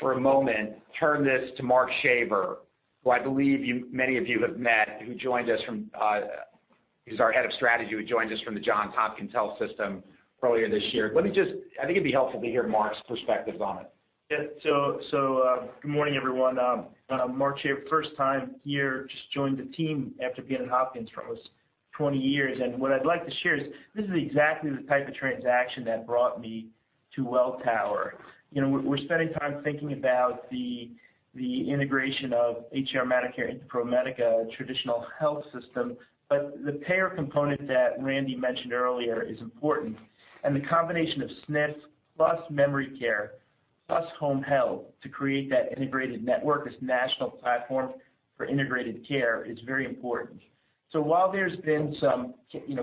S3: for a moment turn this to Mark Shaver, who I believe many of you have met. He's our head of strategy, who joins us from the Johns Hopkins Health System earlier this year. I think it'd be helpful to hear Mark's perspectives on it.
S12: Good morning, everyone. Mark Shaver, first time here. Just joined the team after being at Hopkins for almost 20 years. What I'd like to share is this is exactly the type of transaction that brought me to Welltower. We're spending time thinking about the integration of HCR ManorCare into ProMedica, a traditional health system. The payer component that Randy mentioned earlier is important, and the combination of SNF plus memory care, plus home health to create that integrated network, this national platform for integrated care is very important. While there's been some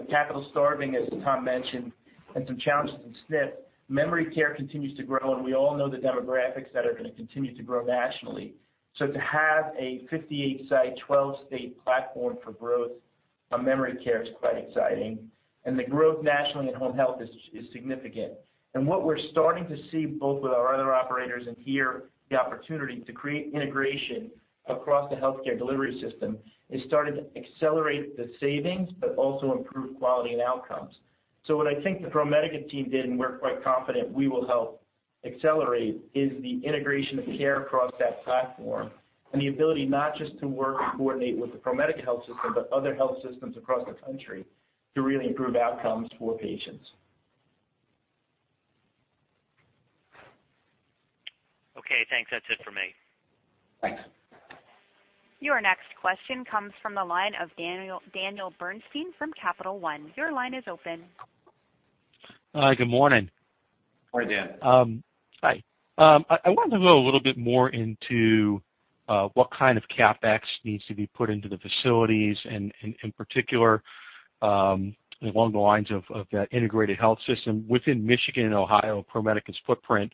S12: capital starving, as Tom mentioned, and some challenges in SNF, memory care continues to grow, and we all know the demographics that are going to continue to grow nationally. To have a 58 site, 12 state platform for growth of memory care is quite exciting. The growth nationally in home health is significant. What we're starting to see, both with our other operators and here, the opportunity to create integration across the healthcare delivery system is starting to accelerate the savings, but also improve quality and outcomes. What I think the ProMedica team did, and we're quite confident we will help accelerate, is the integration of care across that platform and the ability not just to work and coordinate with the ProMedica Health System, but other health systems across the country to really improve outcomes for patients.
S11: Okay, thanks. That's it for me.
S3: Thanks.
S1: Your next question comes from the line of Daniel Bernstein from Capital One. Your line is open.
S13: Hi, good morning.
S3: Hi, Dan.
S13: Hi. I wanted to go a little bit more into what kind of CapEx needs to be put into the facilities, and in particular, along the lines of that integrated health system within Michigan and Ohio, ProMedica's footprint.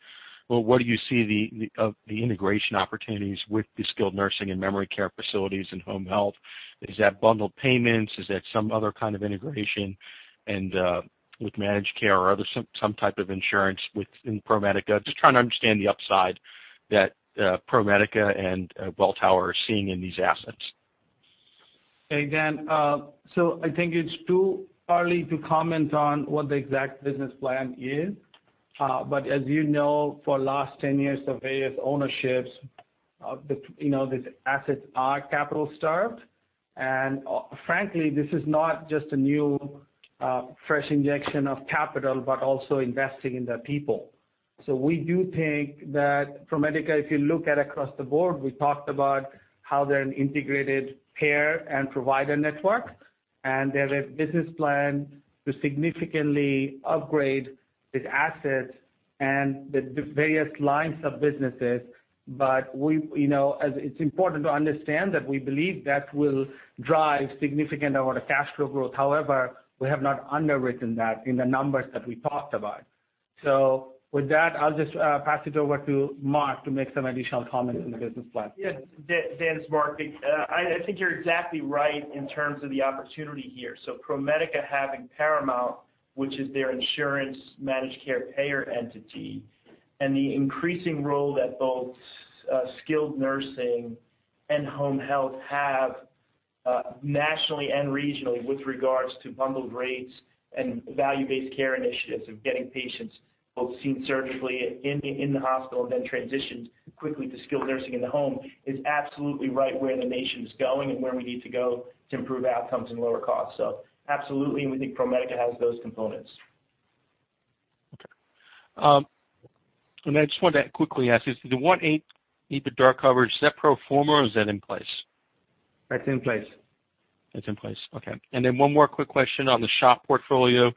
S13: Well, what do you see the integration opportunities with the skilled nursing and memory care facilities and home health? Is that bundled payments? Is that some other kind of integration with managed care or other some type of insurance within ProMedica? Just trying to understand the upside that ProMedica and Welltower are seeing in these assets.
S6: Hey, Dan. I think it's too early to comment on what the exact business plan is. As you know, for last 10 years of various ownerships, these assets are capital starved. Frankly, this is not just a new fresh injection of capital, but also investing in the people. We do think that ProMedica, if you look at across the board, we talked about how they're an integrated payer and provider network. They have a business plan to significantly upgrade its assets and the various lines of businesses. It's important to understand that we believe that will drive significant amount of cash flow growth. However, we have not underwritten that in the numbers that we talked about. With that, I'll just pass it over to Mark to make some additional comments on the business plan.
S12: Yes. Dan, it's Mark. I think you're exactly right in terms of the opportunity here. ProMedica having Paramount, which is their insurance managed care payer entity, and the increasing role that both skilled nursing and home health have nationally and regionally with regards to bundled rates and value-based care initiatives of getting patients both seen surgically in the hospital and then transitioned quickly to skilled nursing in the home is absolutely right where the nation is going and where we need to go to improve outcomes and lower costs. Absolutely, we think ProMedica has those components.
S13: Okay. I just wanted to quickly ask, is the 1.8 EBITDA coverage, is that pro forma or is that in place?
S6: That's in place.
S13: Then one more quick question on the SHOP portfolio.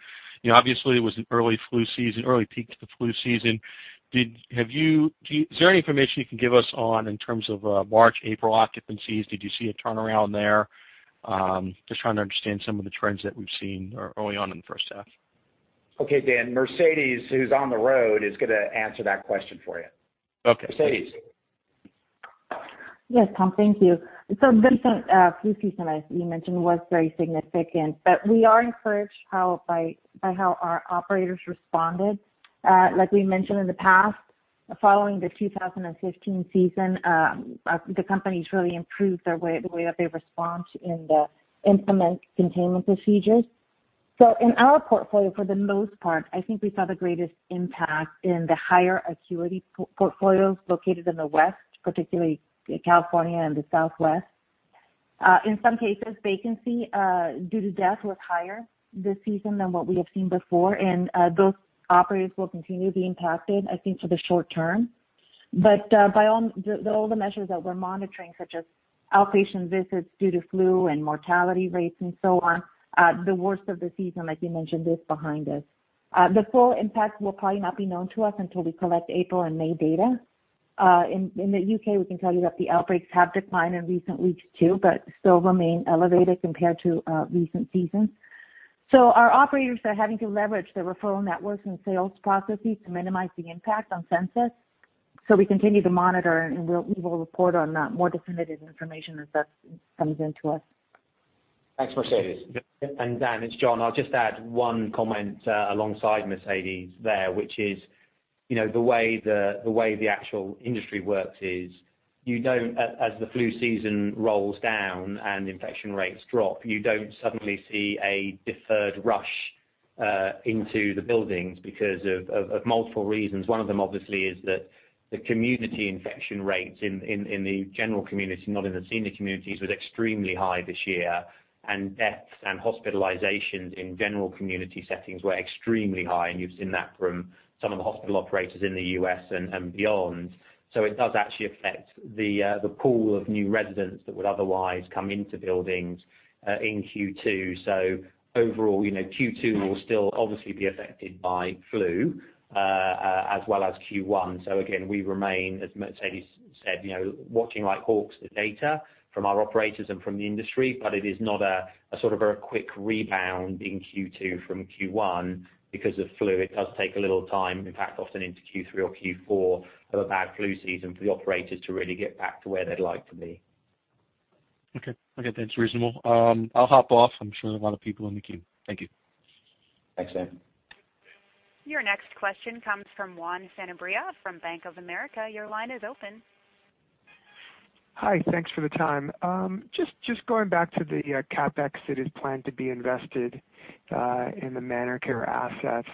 S13: Obviously, it was an early peak to the flu season. Is there any information you can give us on in terms of March, April occupancies? Did you see a turnaround there? Just trying to understand some of the trends that we've seen early on in the first half.
S3: Okay, Dan. Mercedes, who's on the road, is going to answer that question for you.
S13: Okay.
S3: Mercedes.
S14: Yes, Tom, thank you. The flu season, as you mentioned, was very significant. We are encouraged by how our operators responded. Like we mentioned in the past, following the 2015 season, the company's really improved the way that they respond to implement containment procedures. In our portfolio, for the most part, I think we saw the greatest impact in the higher acuity portfolios located in the West, particularly California and the Southwest. In some cases, vacancy due to death was higher this season than what we have seen before. Those operators will continue to be impacted, I think, for the short term. By all the measures that we're monitoring, such as outpatient visits due to flu and mortality rates and so on, the worst of the season, like you mentioned, is behind us. The full impact will probably not be known to us until we collect April and May data. In the U.K., we can tell you that the outbreaks have declined in recent weeks too, but still remain elevated compared to recent seasons. Our operators are having to leverage their referral networks and sales processes to minimize the impact on census. We continue to monitor and we will report on that more definitive information as that comes into us.
S3: Thanks, Mercedes.
S4: Dan, it's John. I'll just add one comment alongside Mercedes there, which is, the way the actual industry works is, as the flu season rolls down and infection rates drop, you don't suddenly see a deferred rush into the buildings because of multiple reasons. One of them obviously is that the community infection rates in the general community, not in the senior communities, was extremely high this year, and deaths and hospitalizations in general community settings were extremely high, and you've seen that from some of the hospital operators in the U.S. and beyond. Overall, Q2 will still obviously be affected by flu, as well as Q1. Again, we remain, as Mercedes said, watching like hawks the data from our operators and from the industry, but it is not a sort of a quick rebound in Q2 from Q1 because of flu. It does take a little time, in fact, often into Q3 or Q4 of a bad flu season for the operators to really get back to where they'd like to be.
S13: Okay. That's reasonable. I'll hop off. I'm sure there are a lot of people in the queue. Thank you.
S3: Thanks, Dan.
S1: Your next question comes from Juan Sanabria from Bank of America. Your line is open.
S15: Hi. Thanks for the time. Just going back to the CapEx that is planned to be invested in the ManorCare assets.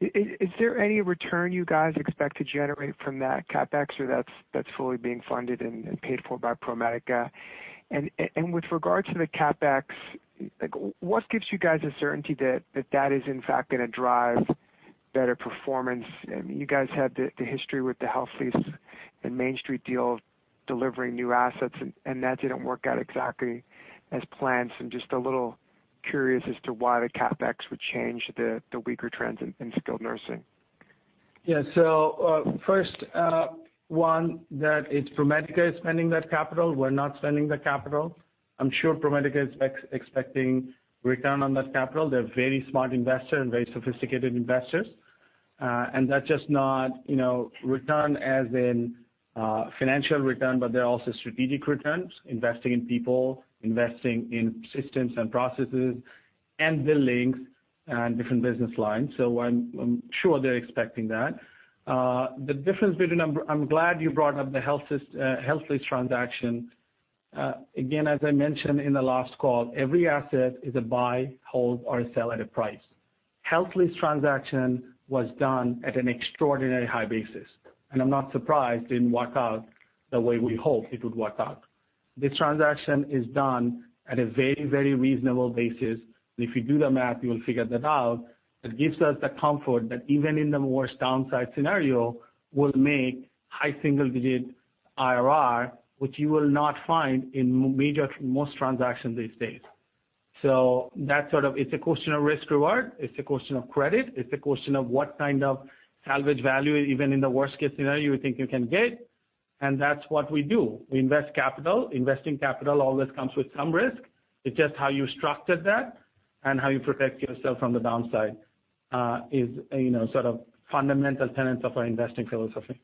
S15: Is there any return you guys expect to generate from that CapEx, or that's fully being funded and paid for by ProMedica? With regard to the CapEx, what gives you guys the certainty that that is in fact going to drive better performance? You guys had the history with the HealthLease and Mainstreet deal delivering new assets, and that didn't work out exactly as planned. I'm just a little curious as to why the CapEx would change the weaker trends in skilled nursing.
S6: First, Juan, ProMedica is spending that capital. We're not spending the capital. I'm sure ProMedica is expecting return on that capital. They're very smart investor and very sophisticated investors. That's just not return as in financial return, but they're also strategic returns, investing in people, investing in systems and processes, and buildings and different business lines. I'm sure they're expecting that. I'm glad you brought up the HealthLease transaction. Again, as I mentioned in the last call, every asset is a buy, hold, or sell at a price. HealthLease transaction was done at an extraordinarily high basis, and I'm not surprised it didn't work out the way we hoped it would work out. This transaction is done at a very, very reasonable basis. If you do the math, you will figure that out. It gives us the comfort that even in the worst downside scenario, we'll make high single-digit IRR, which you will not find in most transactions these days. It's a question of risk reward, it's a question of credit, it's a question of what kind of salvage value, even in the worst-case scenario, you think you can get, and that's what we do. We invest capital. Investing capital always comes with some risk. It's just how you structure that and how you protect yourself from the downside is fundamental tenets of our investing philosophy.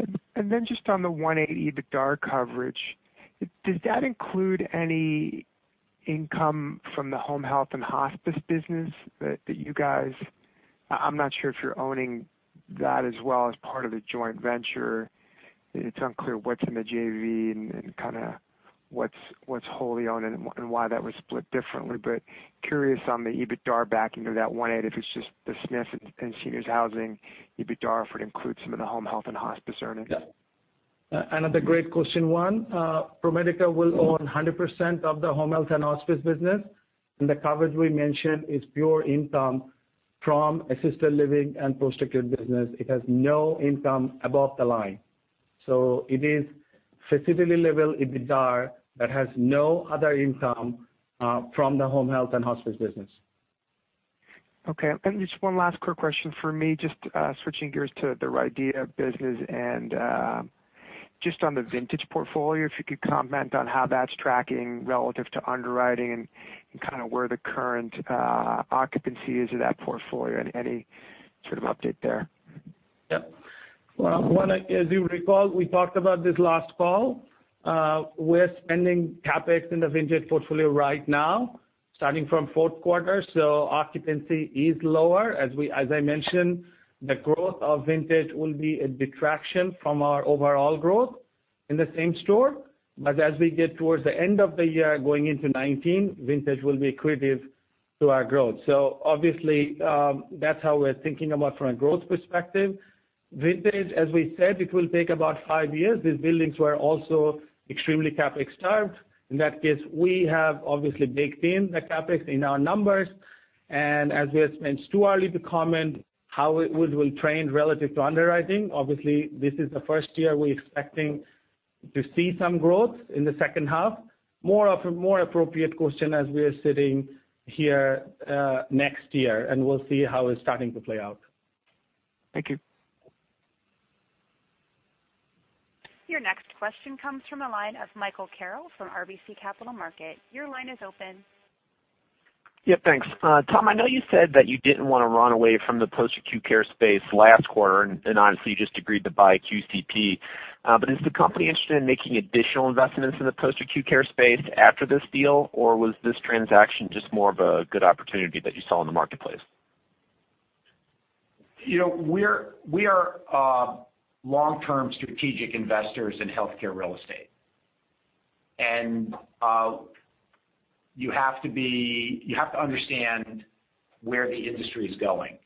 S15: Just on the 180 EBITDA coverage, does that include any income from the home health and hospice business that you guys-- I'm not sure if you're owning that as well as part of the joint venture. It's unclear what's in the JV and kind of what's wholly owned and why that was split differently. Curious on the EBITDA backing of that 180, if it's just the SNF and seniors housing EBITDA, if it includes some of the home health and hospice earnings.
S6: Another great question, Juan. ProMedica will own 100% of the home health and hospice business, and the coverage we mentioned is pure income from assisted living and post-acute business. It has no income above the line. It is facility level EBITDA that has no other income from the home health and hospice business.
S15: Okay. Just one last quick question from me, just switching gears to the RIDEA business and just on the Vintage portfolio, if you could comment on how that's tracking relative to underwriting and kind of where the current occupancy is of that portfolio and any sort of update there.
S6: Yep. Well, Juan, as you recall, we talked about this last call. We're spending CapEx in the Vintage portfolio right now, starting from fourth quarter. Occupancy is lower. As I mentioned, the growth of Vintage will be a detraction from our overall growth in the same store. As we get towards the end of the year, going into 2019, Vintage will be accretive to our growth. Obviously, that's how we're thinking about from a growth perspective. Vintage, as we said, it will take about five years. These buildings were also extremely CapEx starved. In that case, we have obviously baked in the CapEx in our numbers, and as we have spent too early to comment how it will trend relative to underwriting. Obviously, this is the first year we're expecting to see some growth in the second half. More appropriate question as we are sitting here next year, and we'll see how it's starting to play out.
S15: Thank you.
S1: Your next question comes from the line of Michael Carroll from RBC Capital Markets. Your line is open.
S16: Yeah. Thanks. Tom, I know you said that you didn't want to run away from the post-acute care space last quarter, and obviously you just agreed to buy QCP. Is the company interested in making additional investments in the post-acute care space after this deal? Was this transaction just more of a good opportunity that you saw in the marketplace?
S3: We are long-term strategic investors in healthcare real estate, you have to understand where the industry is going.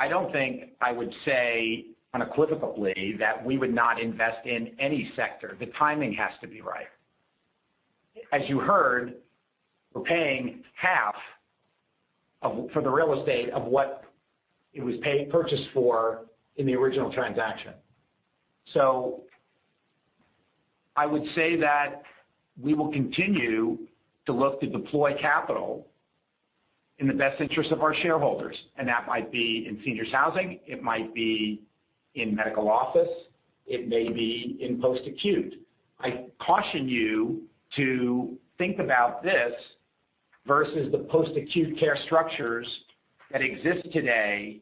S3: I don't think I would say unequivocally that we would not invest in any sector. The timing has to be right. As you heard, we're paying half for the real estate of what it was purchased for in the original transaction. I would say that we will continue to look to deploy capital in the best interest of our shareholders, that might be in seniors housing, it might be in medical office, it may be in post-acute. I caution you to think about this versus the post-acute care structures that exist today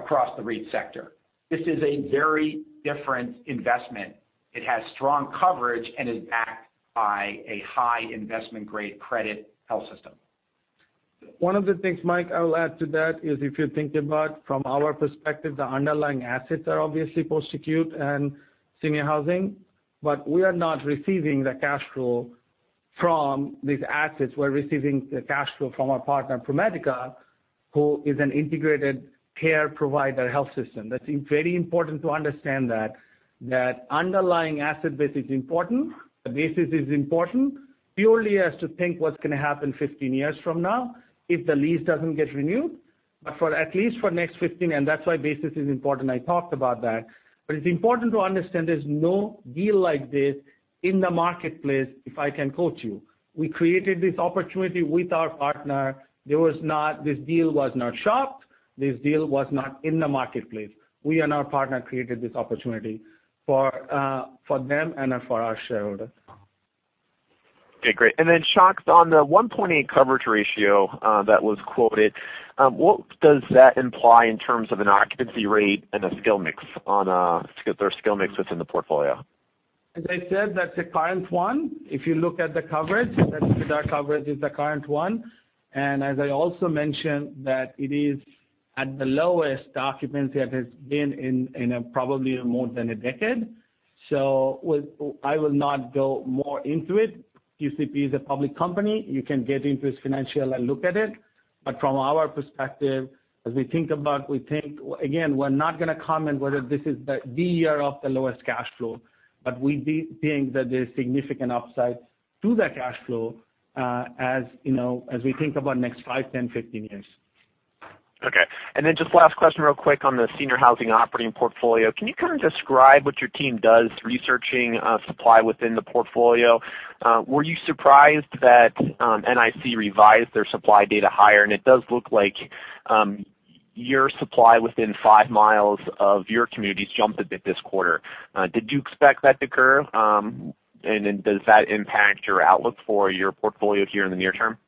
S3: across the REIT sector. This is a very different investment. It has strong coverage and is backed by a high investment-grade credit health system.
S6: One of the things, Mike, I will add to that is if you think about from our perspective, the underlying assets are obviously post-acute and seniors housing. We are not receiving the cash flow from these assets. We're receiving the cash flow from our partner, ProMedica, who is an integrated care provider health system. That's very important to understand that. That underlying asset base is important. The basis is important, purely as to think what's going to happen 15 years from now if the lease doesn't get renewed. For at least for next 15, that's why basis is important, I talked about that. It's important to understand there's no deal like this in the marketplace, if I can quote you. We created this opportunity with our partner. This deal was not shopped. This deal was not in the marketplace. We and our partner created this opportunity for them and for our shareholders.
S16: Okay, great. Shankh, on the 1.8 coverage ratio that was quoted, what does that imply in terms of an occupancy rate and a skill mix that's in the portfolio?
S6: As I said, that's a current one. If you look at the coverage, that EBITDA coverage is the current one. As I also mentioned that it is at the lowest occupancy it has been in probably in more than a decade. I will not go more into it. QCP is a public company. You can get into its financial and look at it. From our perspective, as we think about, again, we're not going to comment whether this is the year of the lowest cash flow, but we do think that there's significant upside to that cash flow as we think about next five, 10, 15 years.
S16: Okay. Just last question real quick on the Seniors Housing Operating Portfolio. Can you kind of describe what your team does researching supply within the portfolio? Were you surprised that NIC revised their supply data higher? It does look like your supply within five miles of your communities jumped a bit this quarter. Did you expect that to occur? Does that impact your outlook for your portfolio here in the near term?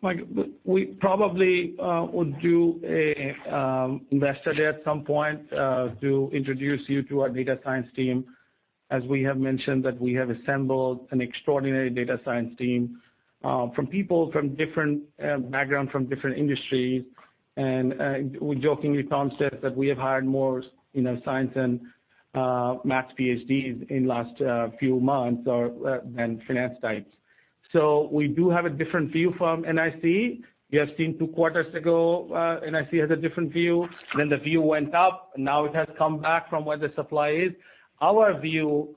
S6: Mike, we probably would do a investor day at some point, to introduce you to our data science team. We have mentioned that we have assembled an extraordinary data science team, from people from different backgrounds, from different industries. We jokingly, Tom says that we have hired more science and math PhDs in last few months than finance types. We do have a different view from NIC. We have seen two quarters ago, NIC has a different view. The view went up, now it has come back from where the supply is. Our view,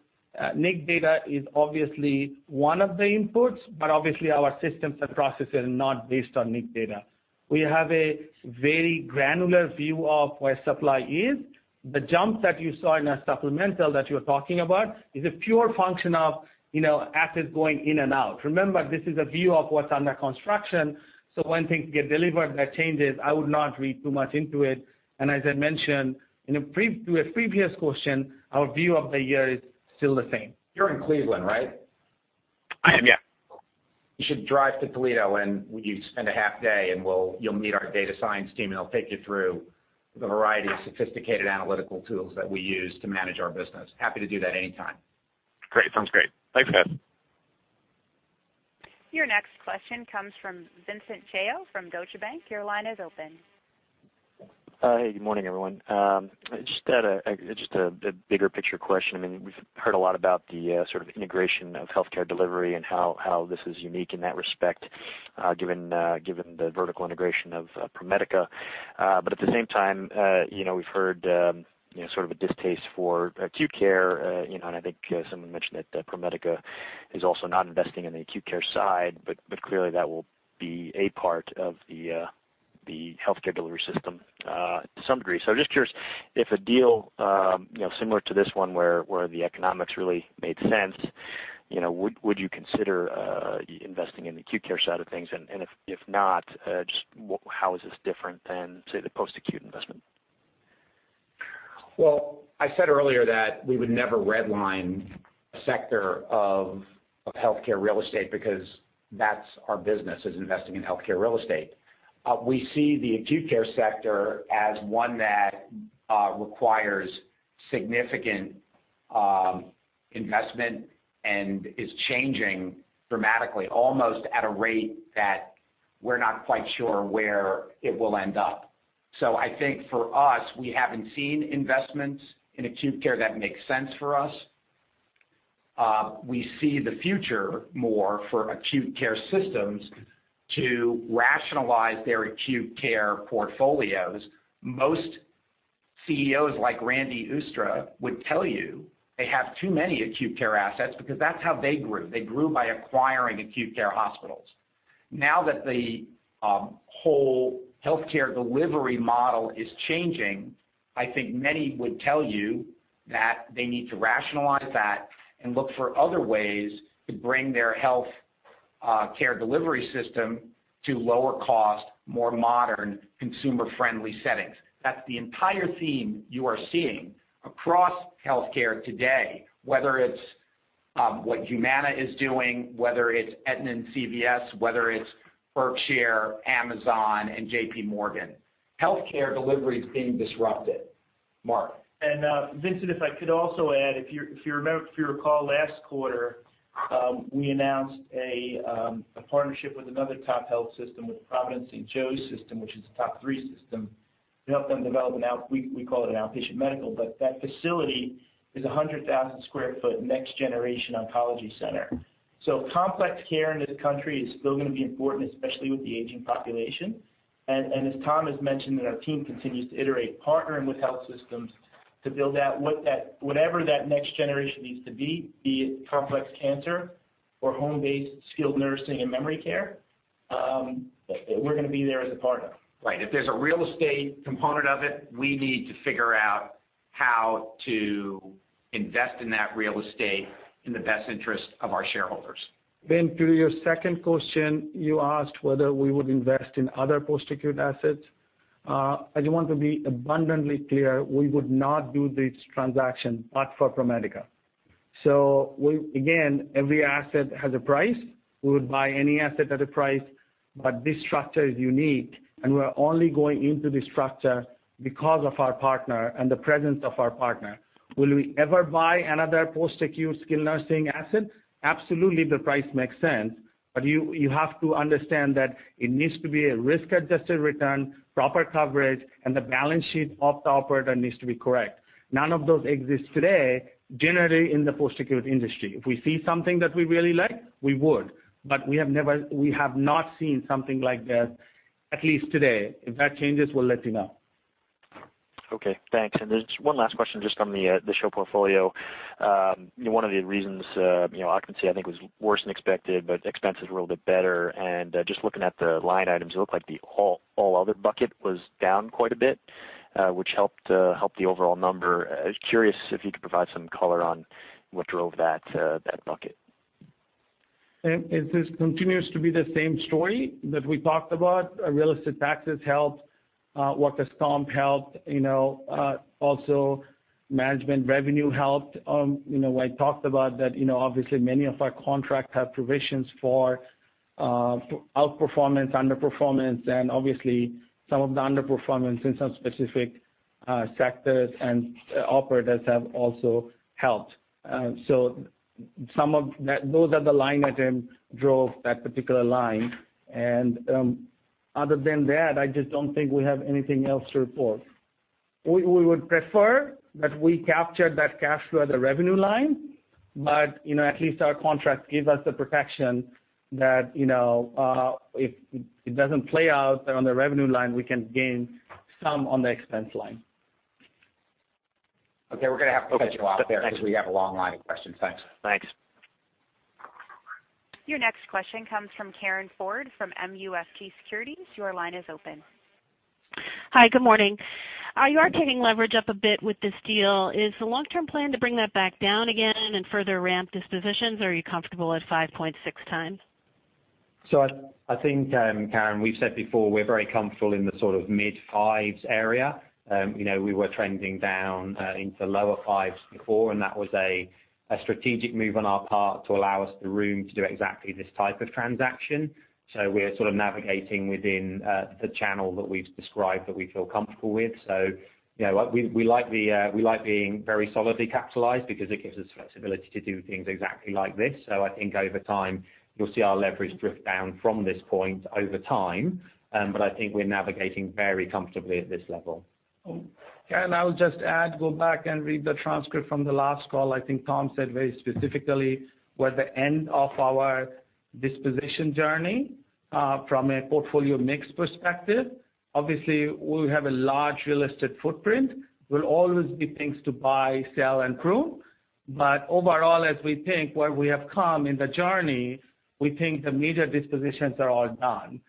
S6: NIC data is obviously one of the inputs, but obviously our systems and processes are not based on NIC data. We have a very granular view of where supply is. The jump that you saw in our supplemental that you're talking about is a pure function of assets going in and out. Remember, this is a view of what's under construction, so when things get delivered, that changes. I would not read too much into it. As I mentioned to a previous question, our view of the year is still the same.
S3: You're in Cleveland, right?
S16: I am, yeah.
S3: You should drive to Toledo, you spend a half day and you'll meet our data science team, they'll take you through the variety of sophisticated analytical tools that we use to manage our business. Happy to do that anytime.
S16: Great. Sounds great. Thanks, guys.
S1: Your next question comes from Vincent Chao from Deutsche Bank. Your line is open.
S17: Hey, good morning, everyone. Just a bigger picture question. We've heard a lot about the sort of integration of healthcare delivery and how this is unique in that respect, given the vertical integration of ProMedica. At the same time, we've heard sort of a distaste for acute care, I think someone mentioned that ProMedica is also not investing in the acute care side, clearly that will be a part of the healthcare delivery system, to some degree. I'm just curious if a deal, similar to this one where the economics really made sense, would you consider investing in the acute care side of things? If not, just how is this different than, say, the post-acute investment?
S3: I said earlier that we would never redline a sector of healthcare real estate because that's our business, is investing in healthcare real estate. We see the acute care sector as one that requires significant investment and is changing dramatically, almost at a rate that we're not quite sure where it will end up. I think for us, we haven't seen investments in acute care that makes sense for us. We see the future more for acute care systems to rationalize their acute care portfolios. Most CEOs, like Randy Oostra, would tell you they have too many acute care assets because that's how they grew. They grew by acquiring acute care hospitals. Now that the whole healthcare delivery model is changing, I think many would tell you that they need to rationalize that and look for other ways to bring their healthcare delivery system to lower cost, more modern, consumer-friendly settings. That's the entire theme you are seeing across healthcare today, whether it's what Humana is doing, whether it's Aetna and CVS, whether it's Berkshire, Amazon, and JP Morgan. Healthcare delivery is being disrupted. Mark.
S6: Vincent, if I could also add, if you recall last quarter, we announced a partnership with another top health system, with Providence St. Joseph's system, which is a top 3 system, to help them develop, we call it an outpatient medical, but that facility is 100,000 sq ft next generation oncology center. Complex care in this country is still going to be important, especially with the aging population. As Tom has mentioned, that our team continues to iterate, partnering with health systems to build out whatever that next generation needs to be it complex cancer or home-based skilled nursing and memory care. We're going to be there as a partner.
S3: Right. If there's a real estate component of it, we need to figure out how to invest in that real estate in the best interest of our shareholders.
S6: Vin, to your second question, you asked whether we would invest in other post-acute assets. I want to be abundantly clear, we would not do this transaction but for ProMedica. Again, every asset has a price. We would buy any asset at a price, but this structure is unique, and we're only going into this structure because of our partner and the presence of our partner. Will we ever buy another post-acute skilled nursing asset? Absolutely, if the price makes sense. You have to understand that it needs to be a risk-adjusted return, proper coverage, and the balance sheet of the operator needs to be correct. None of those exist today, generally in the post-acute industry. If we see something that we really like, we would. We have not seen something like that, at least today. If that changes, we'll let you know.
S17: Okay, thanks. There's one last question just on the SHOP portfolio. One of the reasons, occupancy, I think was worse than expected, but expenses were a little bit better. Just looking at the line items, it looked like the all other bucket was down quite a bit, which helped the overall number. Curious if you could provide some color on what drove that bucket.
S6: It just continues to be the same story that we talked about. Real estate taxes helped. workers' comp helped. Also management revenue helped. I talked about that, obviously, many of our contracts have provisions for outperformance, underperformance, and obviously, some of the underperformance in some specific sectors and operators have also helped. Those are the line items drove that particular line. Other than that, I just don't think we have anything else to report. We would prefer that we capture that cash flow at the revenue line, but at least our contract gives us the protection that if it doesn't play out on the revenue line, we can gain some on the expense line.
S3: Okay. We're going to have to cut you off there-
S17: Okay. Thanks.
S3: We have a long line of questions. Thanks.
S17: Thanks.
S1: Your next question comes from Karin Ford, from MUFG Securities. Your line is open.
S18: Hi, good morning. You are taking leverage up a bit with this deal. Is the long-term plan to bring that back down again and further ramp dispositions, or are you comfortable at 5.6 times?
S4: I think, Karin, we've said before, we're very comfortable in the sort of mid-fives area. We were trending down into lower fives before, and that was a strategic move on our part to allow us the room to do exactly this type of transaction. We are sort of navigating within the channel that we've described that we feel comfortable with. We like being very solidly capitalized because it gives us flexibility to do things exactly like this. I think over time, you'll see our leverage drift down from this point over time. But I think we are navigating very comfortably at this level.
S6: Karin, I would just add, go back and read the transcript from the last call. I think Tom said very specifically we're at the end of our disposition journey, from a portfolio mix perspective. Obviously, we have a large real estate footprint. There will always be things to buy, sell, and prune. But overall, as we think where we have come in the journey, we think the major dispositions are all done.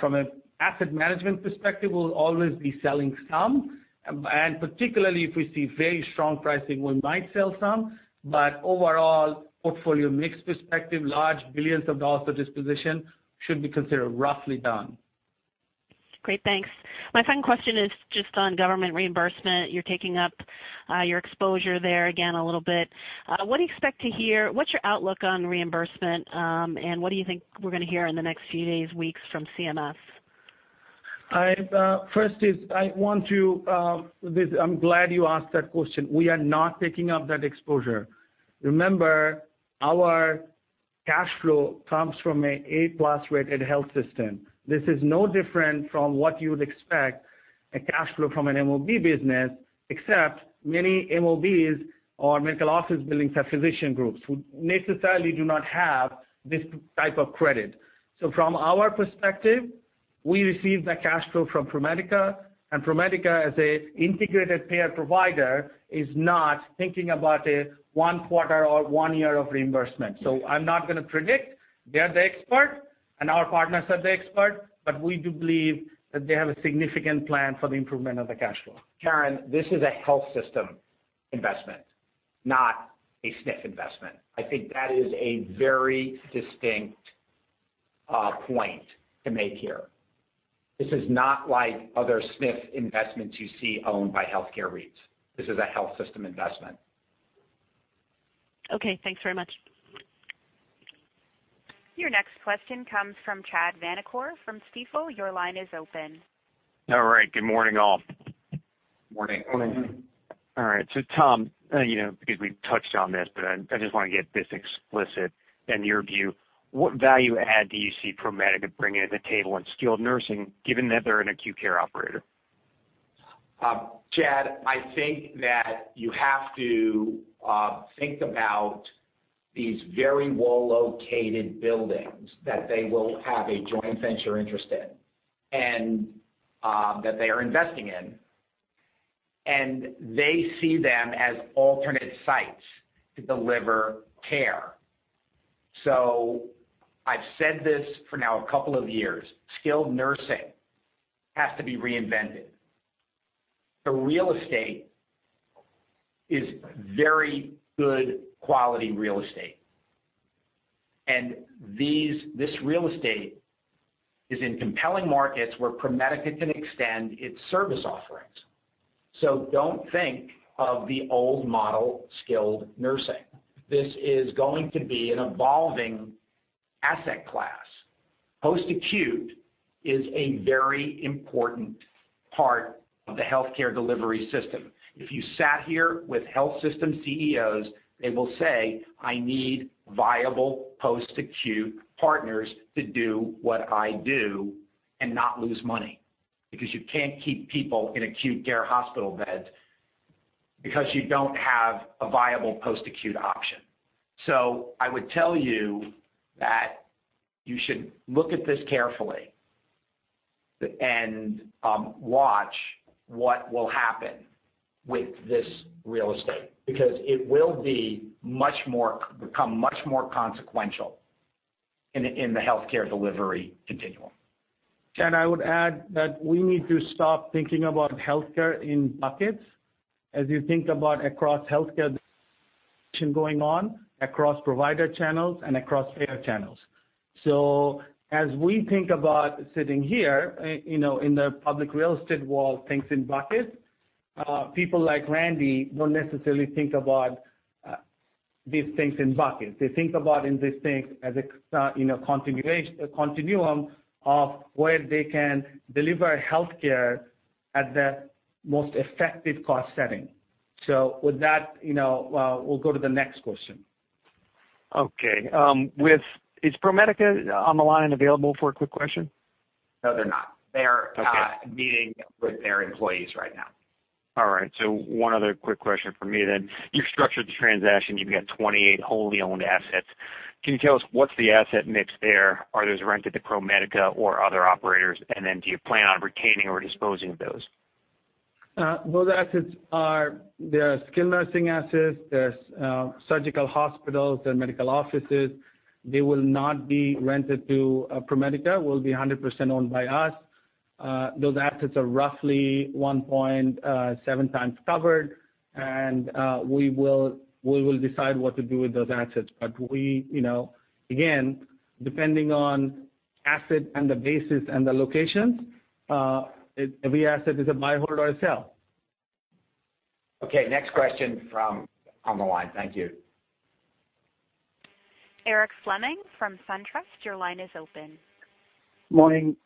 S6: From an asset management perspective, we'll always be selling some. And particularly if we see very strong pricing, we might sell some, but overall portfolio mix perspective, large billions of dollars of disposition should be considered roughly done.
S18: Great. Thanks. My second question is just on government reimbursement. You're taking up your exposure there again a little bit. What do you expect to hear? What's your outlook on reimbursement, and what do you think we're going to hear in the next few days, weeks from CMS?
S6: First is I'm glad you asked that question. We are not taking up that exposure. Remember, our cash flow comes from an A-plus rated health system. This is no different from what you would expect a cash flow from an MOB business, except many MOBs or medical office buildings have physician groups who necessarily do not have this type of credit. From our perspective, we receive the cash flow from ProMedica, and ProMedica as an integrated payer provider, is not thinking about a one quarter or one year of reimbursement. I'm not going to predict. They're the expert, and our partners are the expert, but we do believe that they have a significant plan for the improvement of the cash flow.
S3: Karin, this is a health system investment, not a SNF investment. I think that is a very distinct point to make here. This is not like other SNF investments you see owned by healthcare REITs. This is a health system investment.
S18: Okay, thanks very much.
S1: Your next question comes from Chad Vanacore from Stifel. Your line is open.
S19: All right. Good morning, all.
S3: Morning.
S4: Morning.
S19: All right. Tom, because we touched on this, but I just want to get this explicit and your view. What value add do you see ProMedica bringing to the table in skilled nursing given that they're an acute care operator?
S3: Chad, I think that you have to think about these very well-located buildings that they will have a joint venture interest in, and that they are investing in. They see them as alternate sites to deliver care. I've said this for now a couple of years. Skilled nursing has to be reinvented. The real estate is very good quality real estate. This real estate is in compelling markets where ProMedica can extend its service offerings. Don't think of the old model skilled nursing. This is going to be an evolving asset class. Post-acute is a very important part of the healthcare delivery system. If you sat here with health system CEOs, they will say, "I need viable post-acute partners to do what I do and not lose money." You can't keep people in acute care hospital beds Because you don't have a viable post-acute option. I would tell you that you should look at this carefully and watch what will happen with this real estate, because it will become much more consequential in the healthcare delivery continuum.
S6: I would add that we need to stop thinking about healthcare in buckets as you think about across healthcare going on across provider channels and across payer channels. As we think about sitting here, in the public real estate world, thinks in buckets, people like Randy don't necessarily think about these things in buckets. They think about these things as a continuum of where they can deliver healthcare at the most effective cost setting. With that, we'll go to the next question.
S19: Okay. Is ProMedica on the line available for a quick question?
S3: No, they're not.
S19: Okay.
S3: They're meeting with their employees right now.
S19: All right. One other quick question from me then. You've structured the transaction. You've got 28 wholly owned assets. Can you tell us what's the asset mix there? Are those rented to ProMedica or other operators? Do you plan on retaining or disposing of those?
S6: Those assets are skilled nursing assets. There's surgical hospitals and medical offices. They will not be rented to ProMedica. Will be 100% owned by us. Those assets are roughly 1.7 times covered, and we will decide what to do with those assets. We, again, depending on asset and the basis and the location, every asset is a buy, hold, or a sell.
S3: Okay. Next question from on the line. Thank you.
S1: Eric Fleming from SunTrust, your line is open.
S20: Morning.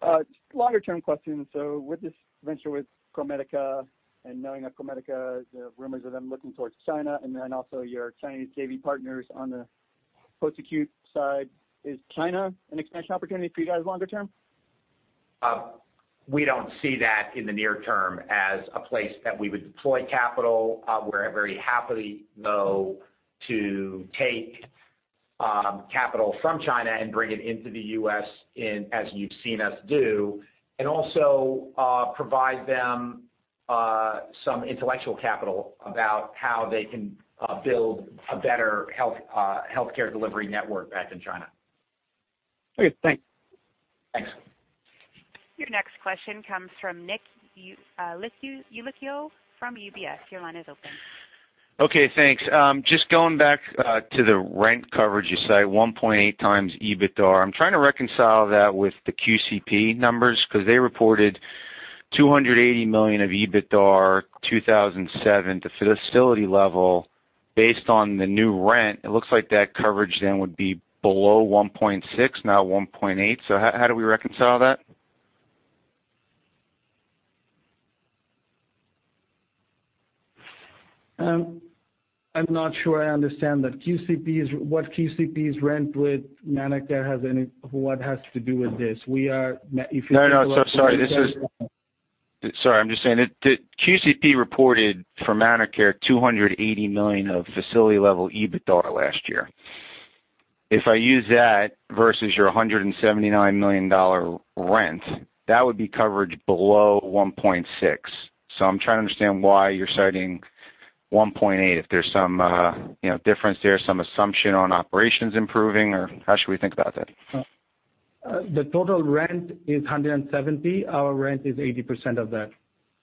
S20: Longer term question. With this venture with ProMedica and knowing that ProMedica, the rumors of them looking towards China, and then also your Chinese JV partners on the post-acute side, is China an expansion opportunity for you guys longer term?
S3: We don't see that in the near term as a place that we would deploy capital. We're very happily, though, to take capital from China and bring it into the U.S. as you've seen us do, and also provide them some intellectual capital about how they can build a better healthcare delivery network back in China.
S20: Okay, thanks.
S3: Thanks.
S1: Your next question comes from Nick Yulico from UBS. Your line is open.
S21: Okay, thanks. Just going back to the rent coverage, you say 1.8 times EBITDA. I'm trying to reconcile that with the QCP numbers because they reported $280 million of EBITDA 2017. The facility level based on the new rent, it looks like that coverage then would be below 1.6, now 1.8. How do we reconcile that?
S6: I'm not sure I understand that. What QCP's rent with ManorCare has to do with this?
S21: No, no, sorry. I'm just saying that QCP reported for ManorCare $280 million of facility-level EBITDA last year. If I use that versus your $179 million rent, that would be coverage below 1.6. I'm trying to understand why you're citing 1.8, if there's some difference there, some assumption on operations improving, or how should we think about that?
S6: The total rent is $170. Our rent is 80% of that.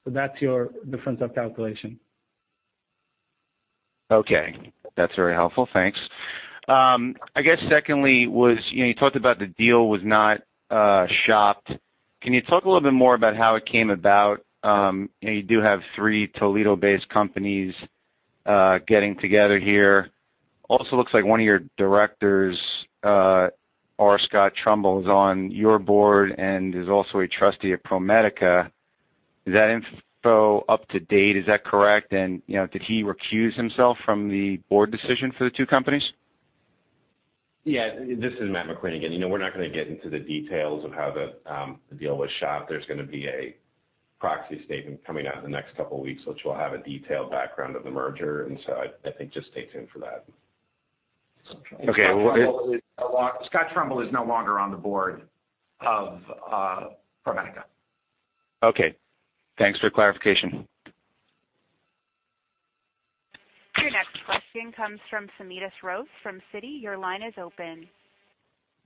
S6: That's your difference of calculation.
S21: Okay. That's very helpful. Thanks. I guess secondly was, you talked about the deal was not shopped. Can you talk a little bit more about how it came about? You do have three Toledo-based companies getting together here. Also looks like one of your directors, R. Scott Trumbull, is on your board and is also a trustee at ProMedica. Is that info up to date? Is that correct? Did he recuse himself from the board decision for the two companies?
S9: Yeah. This is Matthew McQueen again. We're not going to get into the details of how the deal was shopped. There's going to be a proxy statement coming out in the next couple of weeks, which will have a detailed background of the merger. I think just stay tuned for that.
S21: Okay. Well-
S3: Scott Trumbull is no longer on the board of ProMedica.
S21: Okay, thanks for clarification.
S1: Your next question comes from Smedes Rose from Citi. Your line is open.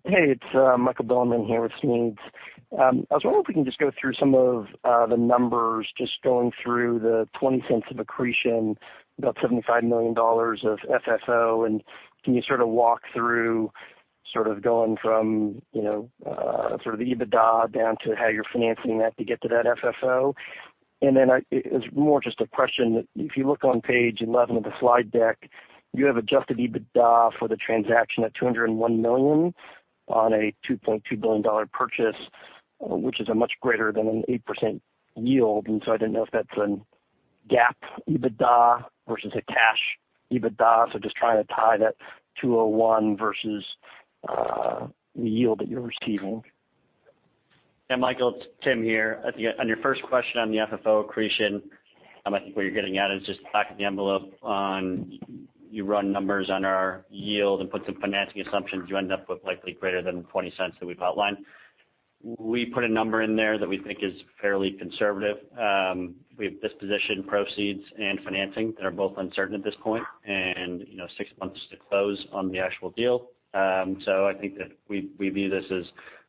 S22: Hey, it's Michael Bilerman here with Smedes. I was wondering if we can just go through some of the numbers, just going through the $0.20 of accretion, about $75 million of FFO. Can you sort of walk through sort of going from the EBITDA down to how you're financing that to get to that FFO? It's more just a question that if you look on page 11 of the slide deck, you have adjusted EBITDA for the transaction at $201 million on a $2.2 billion purchase, which is a much greater than an 8% yield. I didn't know if that's a GAAP EBITDA versus a cash EBITDA. Just trying to tie that 201 versus the yield that you're receiving.
S2: Michael, it's Tim here. On your first question on the FFO accretion, I think what you're getting at is just back of the envelope on, you run numbers on our yield and put some financing assumptions, you end up with likely greater than $0.20 that we've outlined. We put a number in there that we think is fairly conservative. We have disposition proceeds and financing that are both uncertain at this point and six months to close on the actual deal. I think that we view this as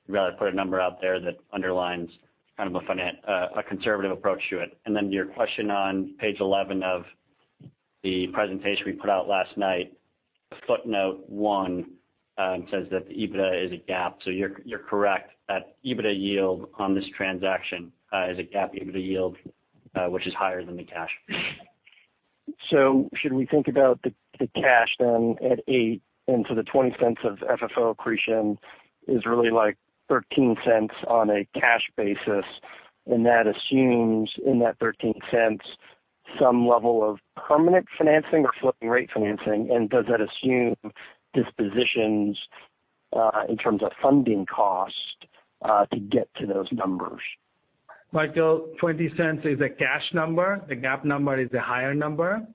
S2: we'd rather put a number out there that underlines a conservative approach to it. Your question on page 11 of the presentation we put out last night, footnote one says that the EBITDA is a GAAP. You're correct that EBITDA yield on this transaction is a GAAP EBITDA yield, which is higher than the cash.
S22: Should we think about the cash then at 8%? The $0.20 of FFO accretion is really like $0.13 on a cash basis. That assumes in that $0.13 some level of permanent financing or floating rate financing? Does that assume dispositions, in terms of funding cost, to get to those numbers?
S6: Michael, $0.20 is a cash number. The GAAP number is a higher number.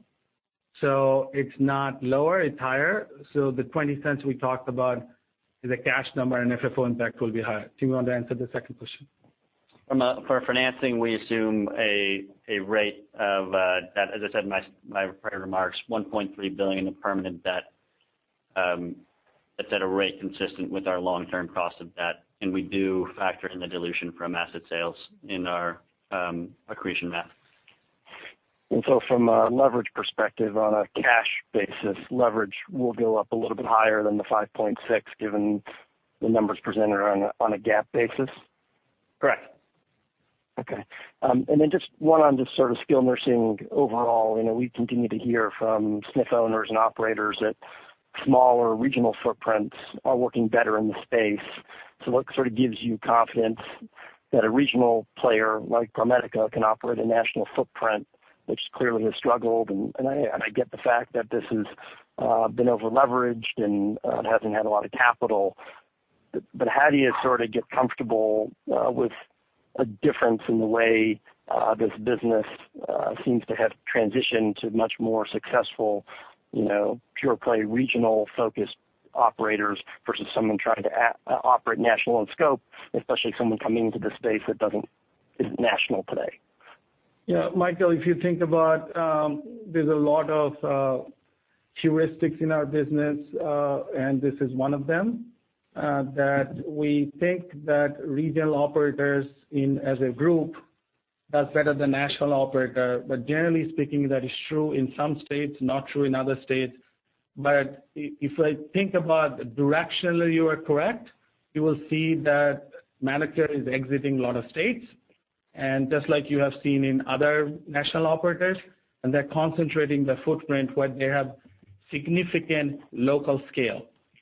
S6: It's not lower, it's higher. The $0.20 we talked about is a cash number, and FFO impact will be higher. Tim, you want to answer the second question?
S2: For financing, we assume a rate of, as I said in my prior remarks, $1.3 billion of permanent debt. That's at a rate consistent with our long-term cost of debt, and we do factor in the dilution from asset sales in our accretion math.
S22: From a leverage perspective on a cash basis, leverage will go up a little bit higher than the 5.6 given the numbers presented on a GAAP basis?
S2: Correct.
S22: Okay. Just one on just skilled nursing overall. We continue to hear from SNF owners and operators that smaller regional footprints are working better in the space. What sort of gives you confidence that a regional player like ProMedica can operate a national footprint which clearly has struggled? I get the fact that this has been over-leveraged and it hasn't had a lot of capital, but how do you sort of get comfortable with a difference in the way this business seems to have transitioned to much more successful, pure play, regional focused operators versus someone trying to operate national in scope, especially someone coming into the space that isn't national today?
S6: Michael, if you think about, there's a lot of heuristics in our business, and this is one of them, that we think that regional operators in, as a group, does better than national operator. Generally speaking, that is true in some states, not true in other states. If I think about directionally, you are correct. You will see that ManorCare is exiting a lot of states, just like you have seen in other national operators, and they're concentrating their footprint where they have significant local scale.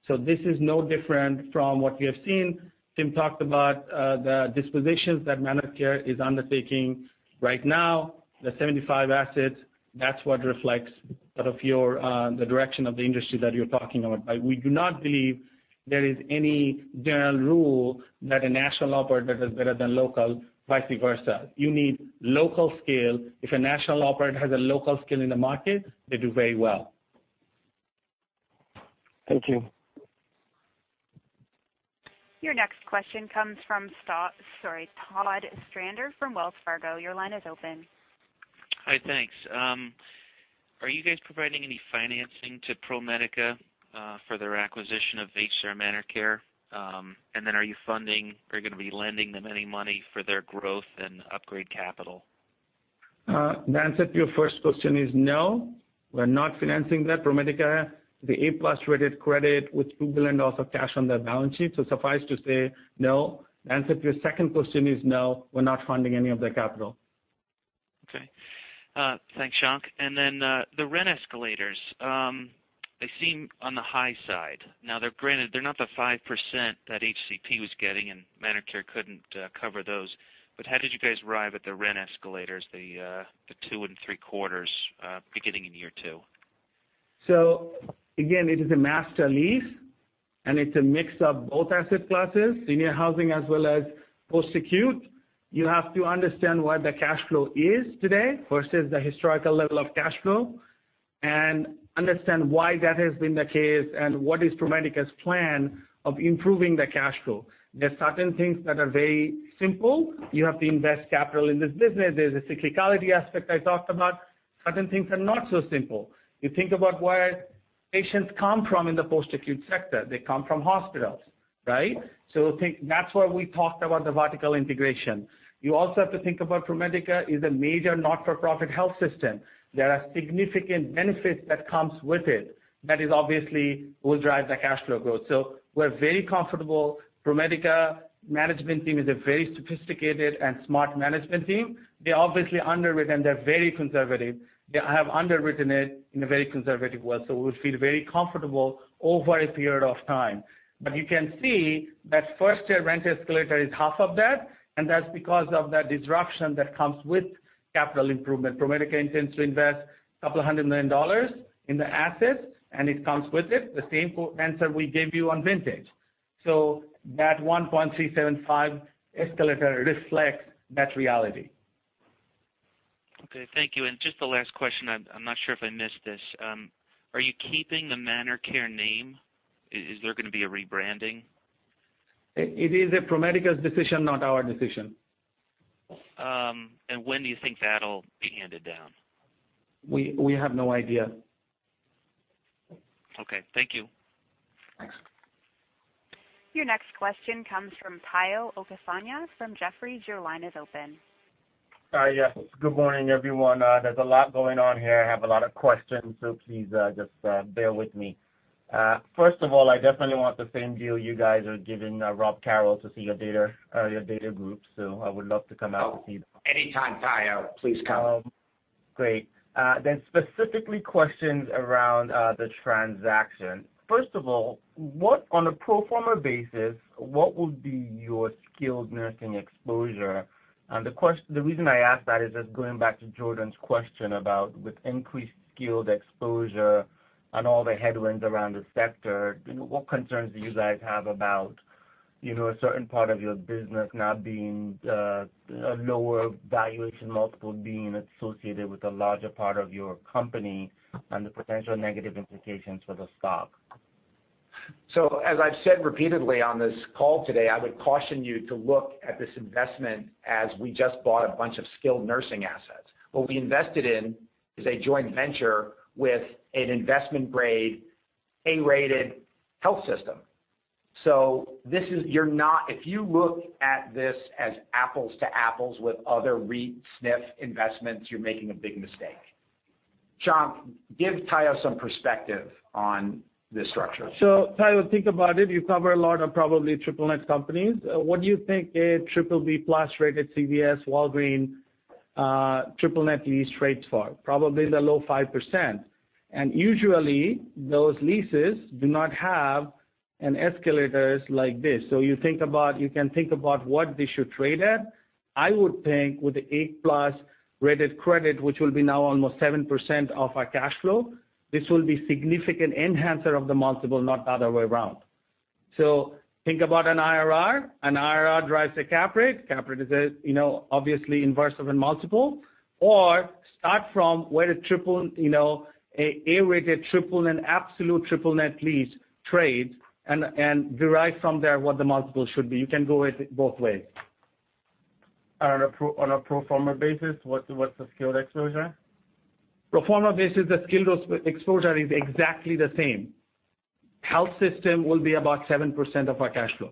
S6: This is no different from what we have seen. Tim talked about the dispositions that ManorCare is undertaking right now, the 75 assets. That's what reflects the direction of the industry that you're talking about. We do not believe there is any general rule that a national operator is better than local, vice versa. You need local scale. If a national operator has a local scale in the market, they do very well.
S22: Thank you.
S1: Your next question comes from Todd Stender from Wells Fargo. Your line is open.
S23: Hi, thanks. Are you guys providing any financing to ProMedica for their acquisition of HCR ManorCare? Are you funding or you're going to be lending them any money for their growth and upgrade capital?
S6: The answer to your first question is no, we're not financing that. ProMedica, the A+ rated credit with $2 billion of cash on their balance sheet. Suffice to say, no. The answer to your second question is no, we're not funding any of their capital.
S23: Okay. Thanks, Shank. The rent escalators, they seem on the high side. Now granted, they're not the 5% that HCP was getting and ManorCare couldn't cover those. How did you guys arrive at the rent escalators, the two and three quarters, beginning in year two?
S6: Again, it is a master lease, and it's a mix of both asset classes, senior housing as well as post-acute. You have to understand what the cash flow is today versus the historical level of cash flow and understand why that has been the case and what is ProMedica's plan of improving the cash flow. There's certain things that are very simple. You have to invest capital in this business. There's a cyclicality aspect I talked about. Certain things are not so simple. You think about where patients come from in the post-acute sector. They come from hospitals, right? That's why we talked about the vertical integration. You also have to think about ProMedica is a major not-for-profit health system. There are significant benefits that comes with it. That is obviously will drive the cash flow growth. We're very comfortable. ProMedica management team is a very sophisticated and smart management team. They obviously underwritten, they're very conservative. They have underwritten it in a very conservative way, we feel very comfortable over a period of time. You can see that first year rent escalator is half of that, and that's because of the disruption that comes with capital improvement. ProMedica intends to invest a couple of hundred million dollars in the assets, and it comes with it, the same answer we gave you on Vintage. That 1.375 escalator reflects that reality.
S23: Okay. Thank you. Just the last question, I'm not sure if I missed this. Are you keeping the ManorCare name? Is there going to be a rebranding?
S6: It is ProMedica's decision, not our decision.
S23: When do you think that'll be handed down?
S6: We have no idea.
S23: Okay. Thank you.
S6: Thanks.
S1: Your next question comes from Tayo Okusanya from Jefferies. Your line is open.
S24: Yes. Good morning, everyone. There's a lot going on here. I have a lot of questions, please just bear with me. First of all, I definitely want the same deal you guys are giving Rob Carroll to see your data group. I would love to come out and see that.
S3: Oh, anytime, Tayo. Please come.
S24: Great. Specifically questions around the transaction. First of all, on a pro forma basis, what will be your skilled nursing exposure? The reason I ask that is just going back to Jordan's question about with increased skilled exposure and all the headwinds around the sector, what concerns do you guys have about a certain part of your business now being a lower valuation multiple being associated with a larger part of your company and the potential negative implications for the stock?
S3: As I've said repeatedly on this call today, I would caution you to look at this investment as we just bought a bunch of skilled nursing assets. What we invested in is a joint venture with an investment grade, A-rated health system. If you look at this as apples to apples with other REIT SNF investments, you're making a big mistake. Shankh, give Tayo some perspective on this structure.
S6: Tayo, think about it. You cover a lot of probably triple net companies. What do you think a BBB+ rated CVS, Walgreens triple net lease rates for? Probably the low 5%. Usually, those leases do not have an escalators like this. You can think about what they should trade at. I would think with the A-plus rated credit, which will be now almost 7% of our cash flow, this will be significant enhancer of the multiple, not the other way around. Think about an IRR. An IRR drives a cap rate. Cap rate is obviously inverse of a multiple. Start from where the A-rated triple and absolute triple net lease trades and derive from there what the multiple should be. You can go at it both ways.
S24: On a pro forma basis, what's the skilled exposure?
S6: Pro forma basis, the skilled exposure is exactly the same. Health system will be about 7% of our cash flow.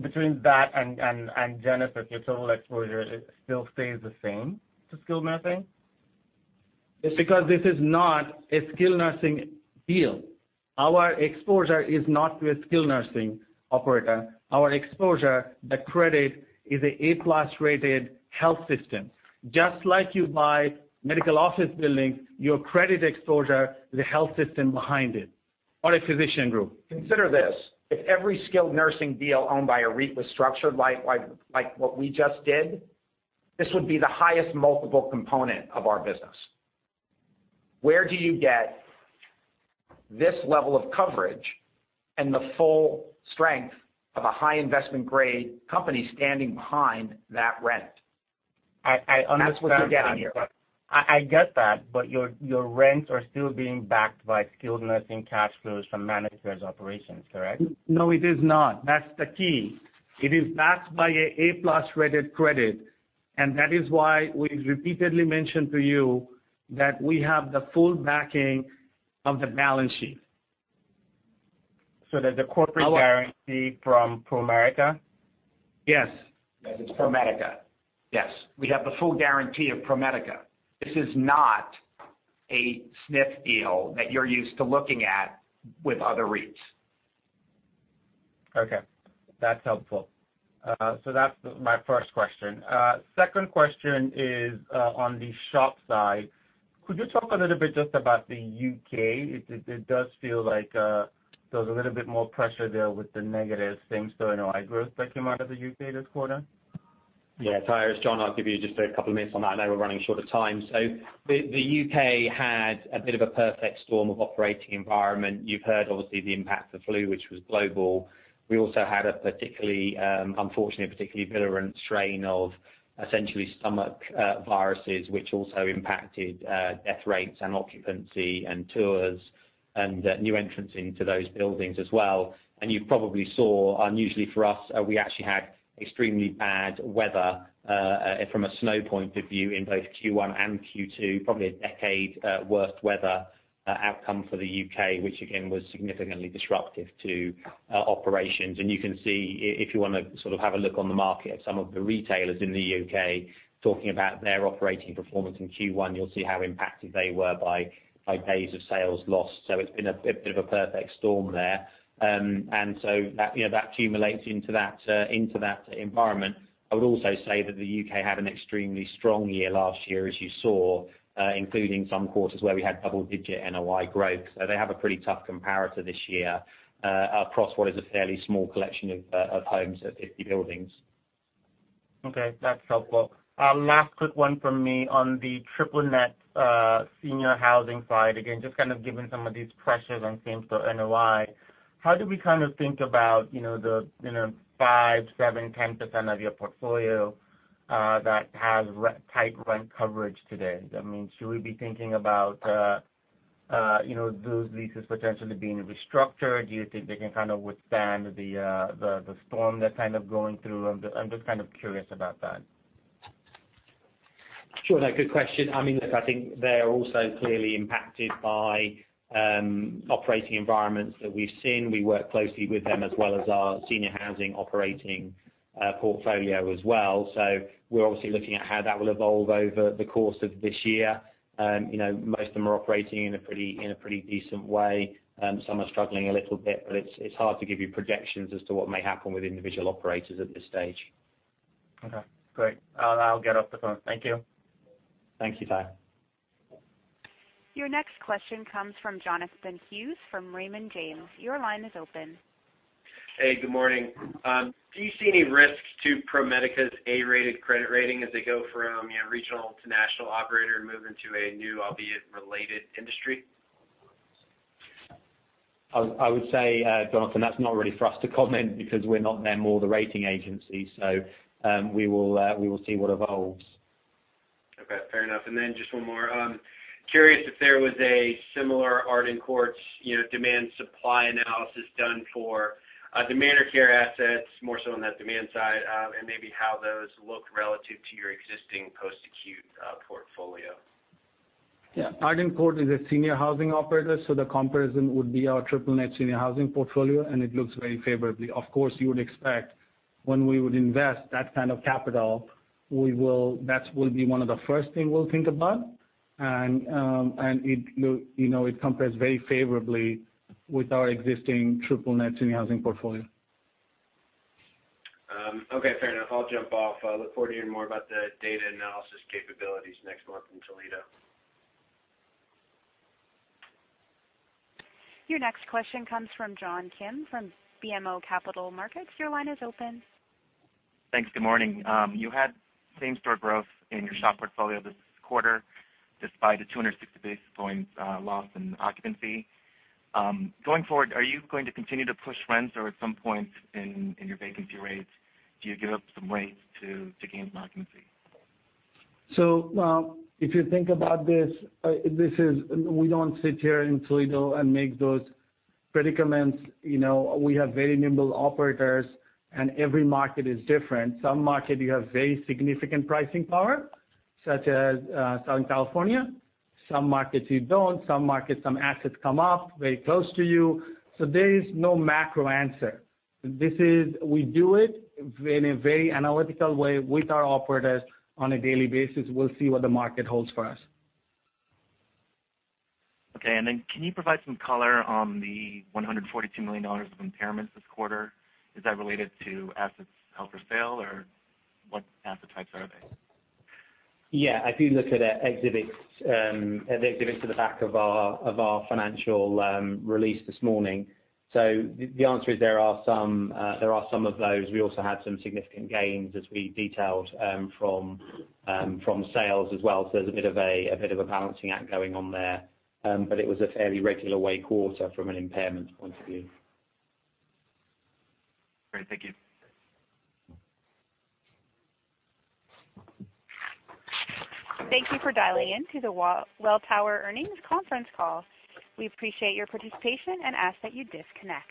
S24: Between that and Genesis, your total exposure still stays the same to skilled nursing?
S6: It's because this is not a skilled nursing deal. Our exposure is not with skilled nursing operator. Our exposure, the credit, is a A+ rated health system. Just like you buy medical office buildings, your credit exposure is the health system behind it or a physician group.
S3: Consider this. If every skilled nursing deal owned by a REIT was structured like what we just did, this would be the highest multiple component of our business. Where do you get this level of coverage and the full strength of a high investment grade company standing behind that rent? That's what you get here.
S24: I get that, your rents are still being backed by skilled nursing cash flows from ManorCare's operations, correct?
S6: No, it is not. That's the key. It is backed by an A+ rated credit, that is why we've repeatedly mentioned to you that we have the full backing of the balance sheet.
S24: There's a corporate guarantee from ProMedica?
S6: Yes.
S3: It's ProMedica. Yes. We have the full guarantee of ProMedica. This is not a SNF deal that you're used to looking at with other REITs.
S24: Okay. That's helpful. That's my first question. Second question is on the SHOP side. Could you talk a little bit just about the U.K.? It does feel like there was a little bit more pressure there with the negative same-store NOI growth that came out of the U.K. this quarter.
S4: Yeah, Tayo. Shankh, I'll give you just a couple of minutes on that. I know we're running short of time. The U.K. had a bit of a perfect storm of operating environment. You've heard, obviously, the impact of flu, which was global. We also had unfortunately, a particularly virulent strain of essentially stomach viruses, which also impacted death rates and occupancy and tours and new entrants into those buildings as well. You probably saw, unusually for us, we actually had extremely bad weather from a snow point of view in both Q1 and Q2, probably a decade worst weather outcome for the U.K., which again, was significantly disruptive to operations. You can see, if you want to sort of have a look on the market at some of the retailers in the U.K. talking about their operating performance in Q1, you'll see how impacted they were by days of sales lost. It's been a bit of a perfect storm there. That accumulates into that environment. I would also say that the U.K. had an extremely strong year last year, as you saw, including some quarters where we had double digit NOI growth. They have a pretty tough comparator this year across what is a fairly small collection of homes at 50 buildings.
S24: Okay, that's helpful. Last quick one from me on the triple net senior housing side. Again, just kind of given some of these pressures on same store NOI, how do we think about the five, seven, 10% of your portfolio that has tight rent coverage today? Should we be thinking about those leases potentially being restructured? Do you think they can withstand the storm they're kind of going through? I'm just kind of curious about that.
S4: Sure. No, good question. Look, I think they're also clearly impacted by operating environments that we've seen. We work closely with them as well as our Seniors Housing Operating Portfolio as well. We're obviously looking at how that will evolve over the course of this year. Most of them are operating in a pretty decent way. Some are struggling a little bit, it's hard to give you projections as to what may happen with individual operators at this stage.
S24: Okay, great. I'll get off the phone. Thank you.
S4: Thank you, Ty.
S1: Your next question comes from Jonathan Hughes from Raymond James. Your line is open.
S25: Hey, good morning. Do you see any risks to ProMedica's A-rated credit rating as they go from regional to national operator and move into a new, albeit related, industry?
S4: I would say, Jonathan, that's not really for us to comment because we're not them or the rating agency. We will see what evolves.
S25: Okay, fair enough. Then just one more. Curious if there was a similar Arden Courts demand supply analysis done for ManorCare assets, more so on that demand side, and maybe how those look relative to your existing post-acute portfolio.
S6: Yeah. Arden Courts is a senior housing operator, the comparison would be our triple net senior housing portfolio, it looks very favorably. Of course, you would expect when we would invest that kind of capital, that will be one of the first thing we'll think about. It compares very favorably with our existing triple net senior housing portfolio.
S25: Okay, fair enough. I'll jump off. Look forward to hearing more about the data analysis capabilities next month in Toledo.
S1: Your next question comes from John Kim from BMO Capital Markets. Your line is open.
S26: Thanks. Good morning. You had same-store growth in your SHOP portfolio this quarter, despite a 260 basis points loss in occupancy. Going forward, are you going to continue to push rents or at some point in your vacancy rates, do you give up some rates to gain some occupancy?
S6: If you think about this, we don't sit here in Toledo and make those predicaments. We have very nimble operators and every market is different. Some market you have very significant pricing power, such as Southern California. Some markets you don't. Some markets, some assets come up very close to you. There is no macro answer. We do it in a very analytical way with our operators on a daily basis. We'll see what the market holds for us.
S26: Okay. Can you provide some color on the $142 million of impairments this quarter? Is that related to assets held for sale or what asset types are they?
S4: Yeah. If you look at the exhibits at the back of our financial release this morning. The answer is there are some of those. We also had some significant gains as we detailed from sales as well. There's a bit of a balancing act going on there. It was a fairly regular way quarter from an impairment point of view.
S26: Great. Thank you.
S1: Thank you for dialing in to the Welltower earnings conference call. We appreciate your participation and ask that you disconnect.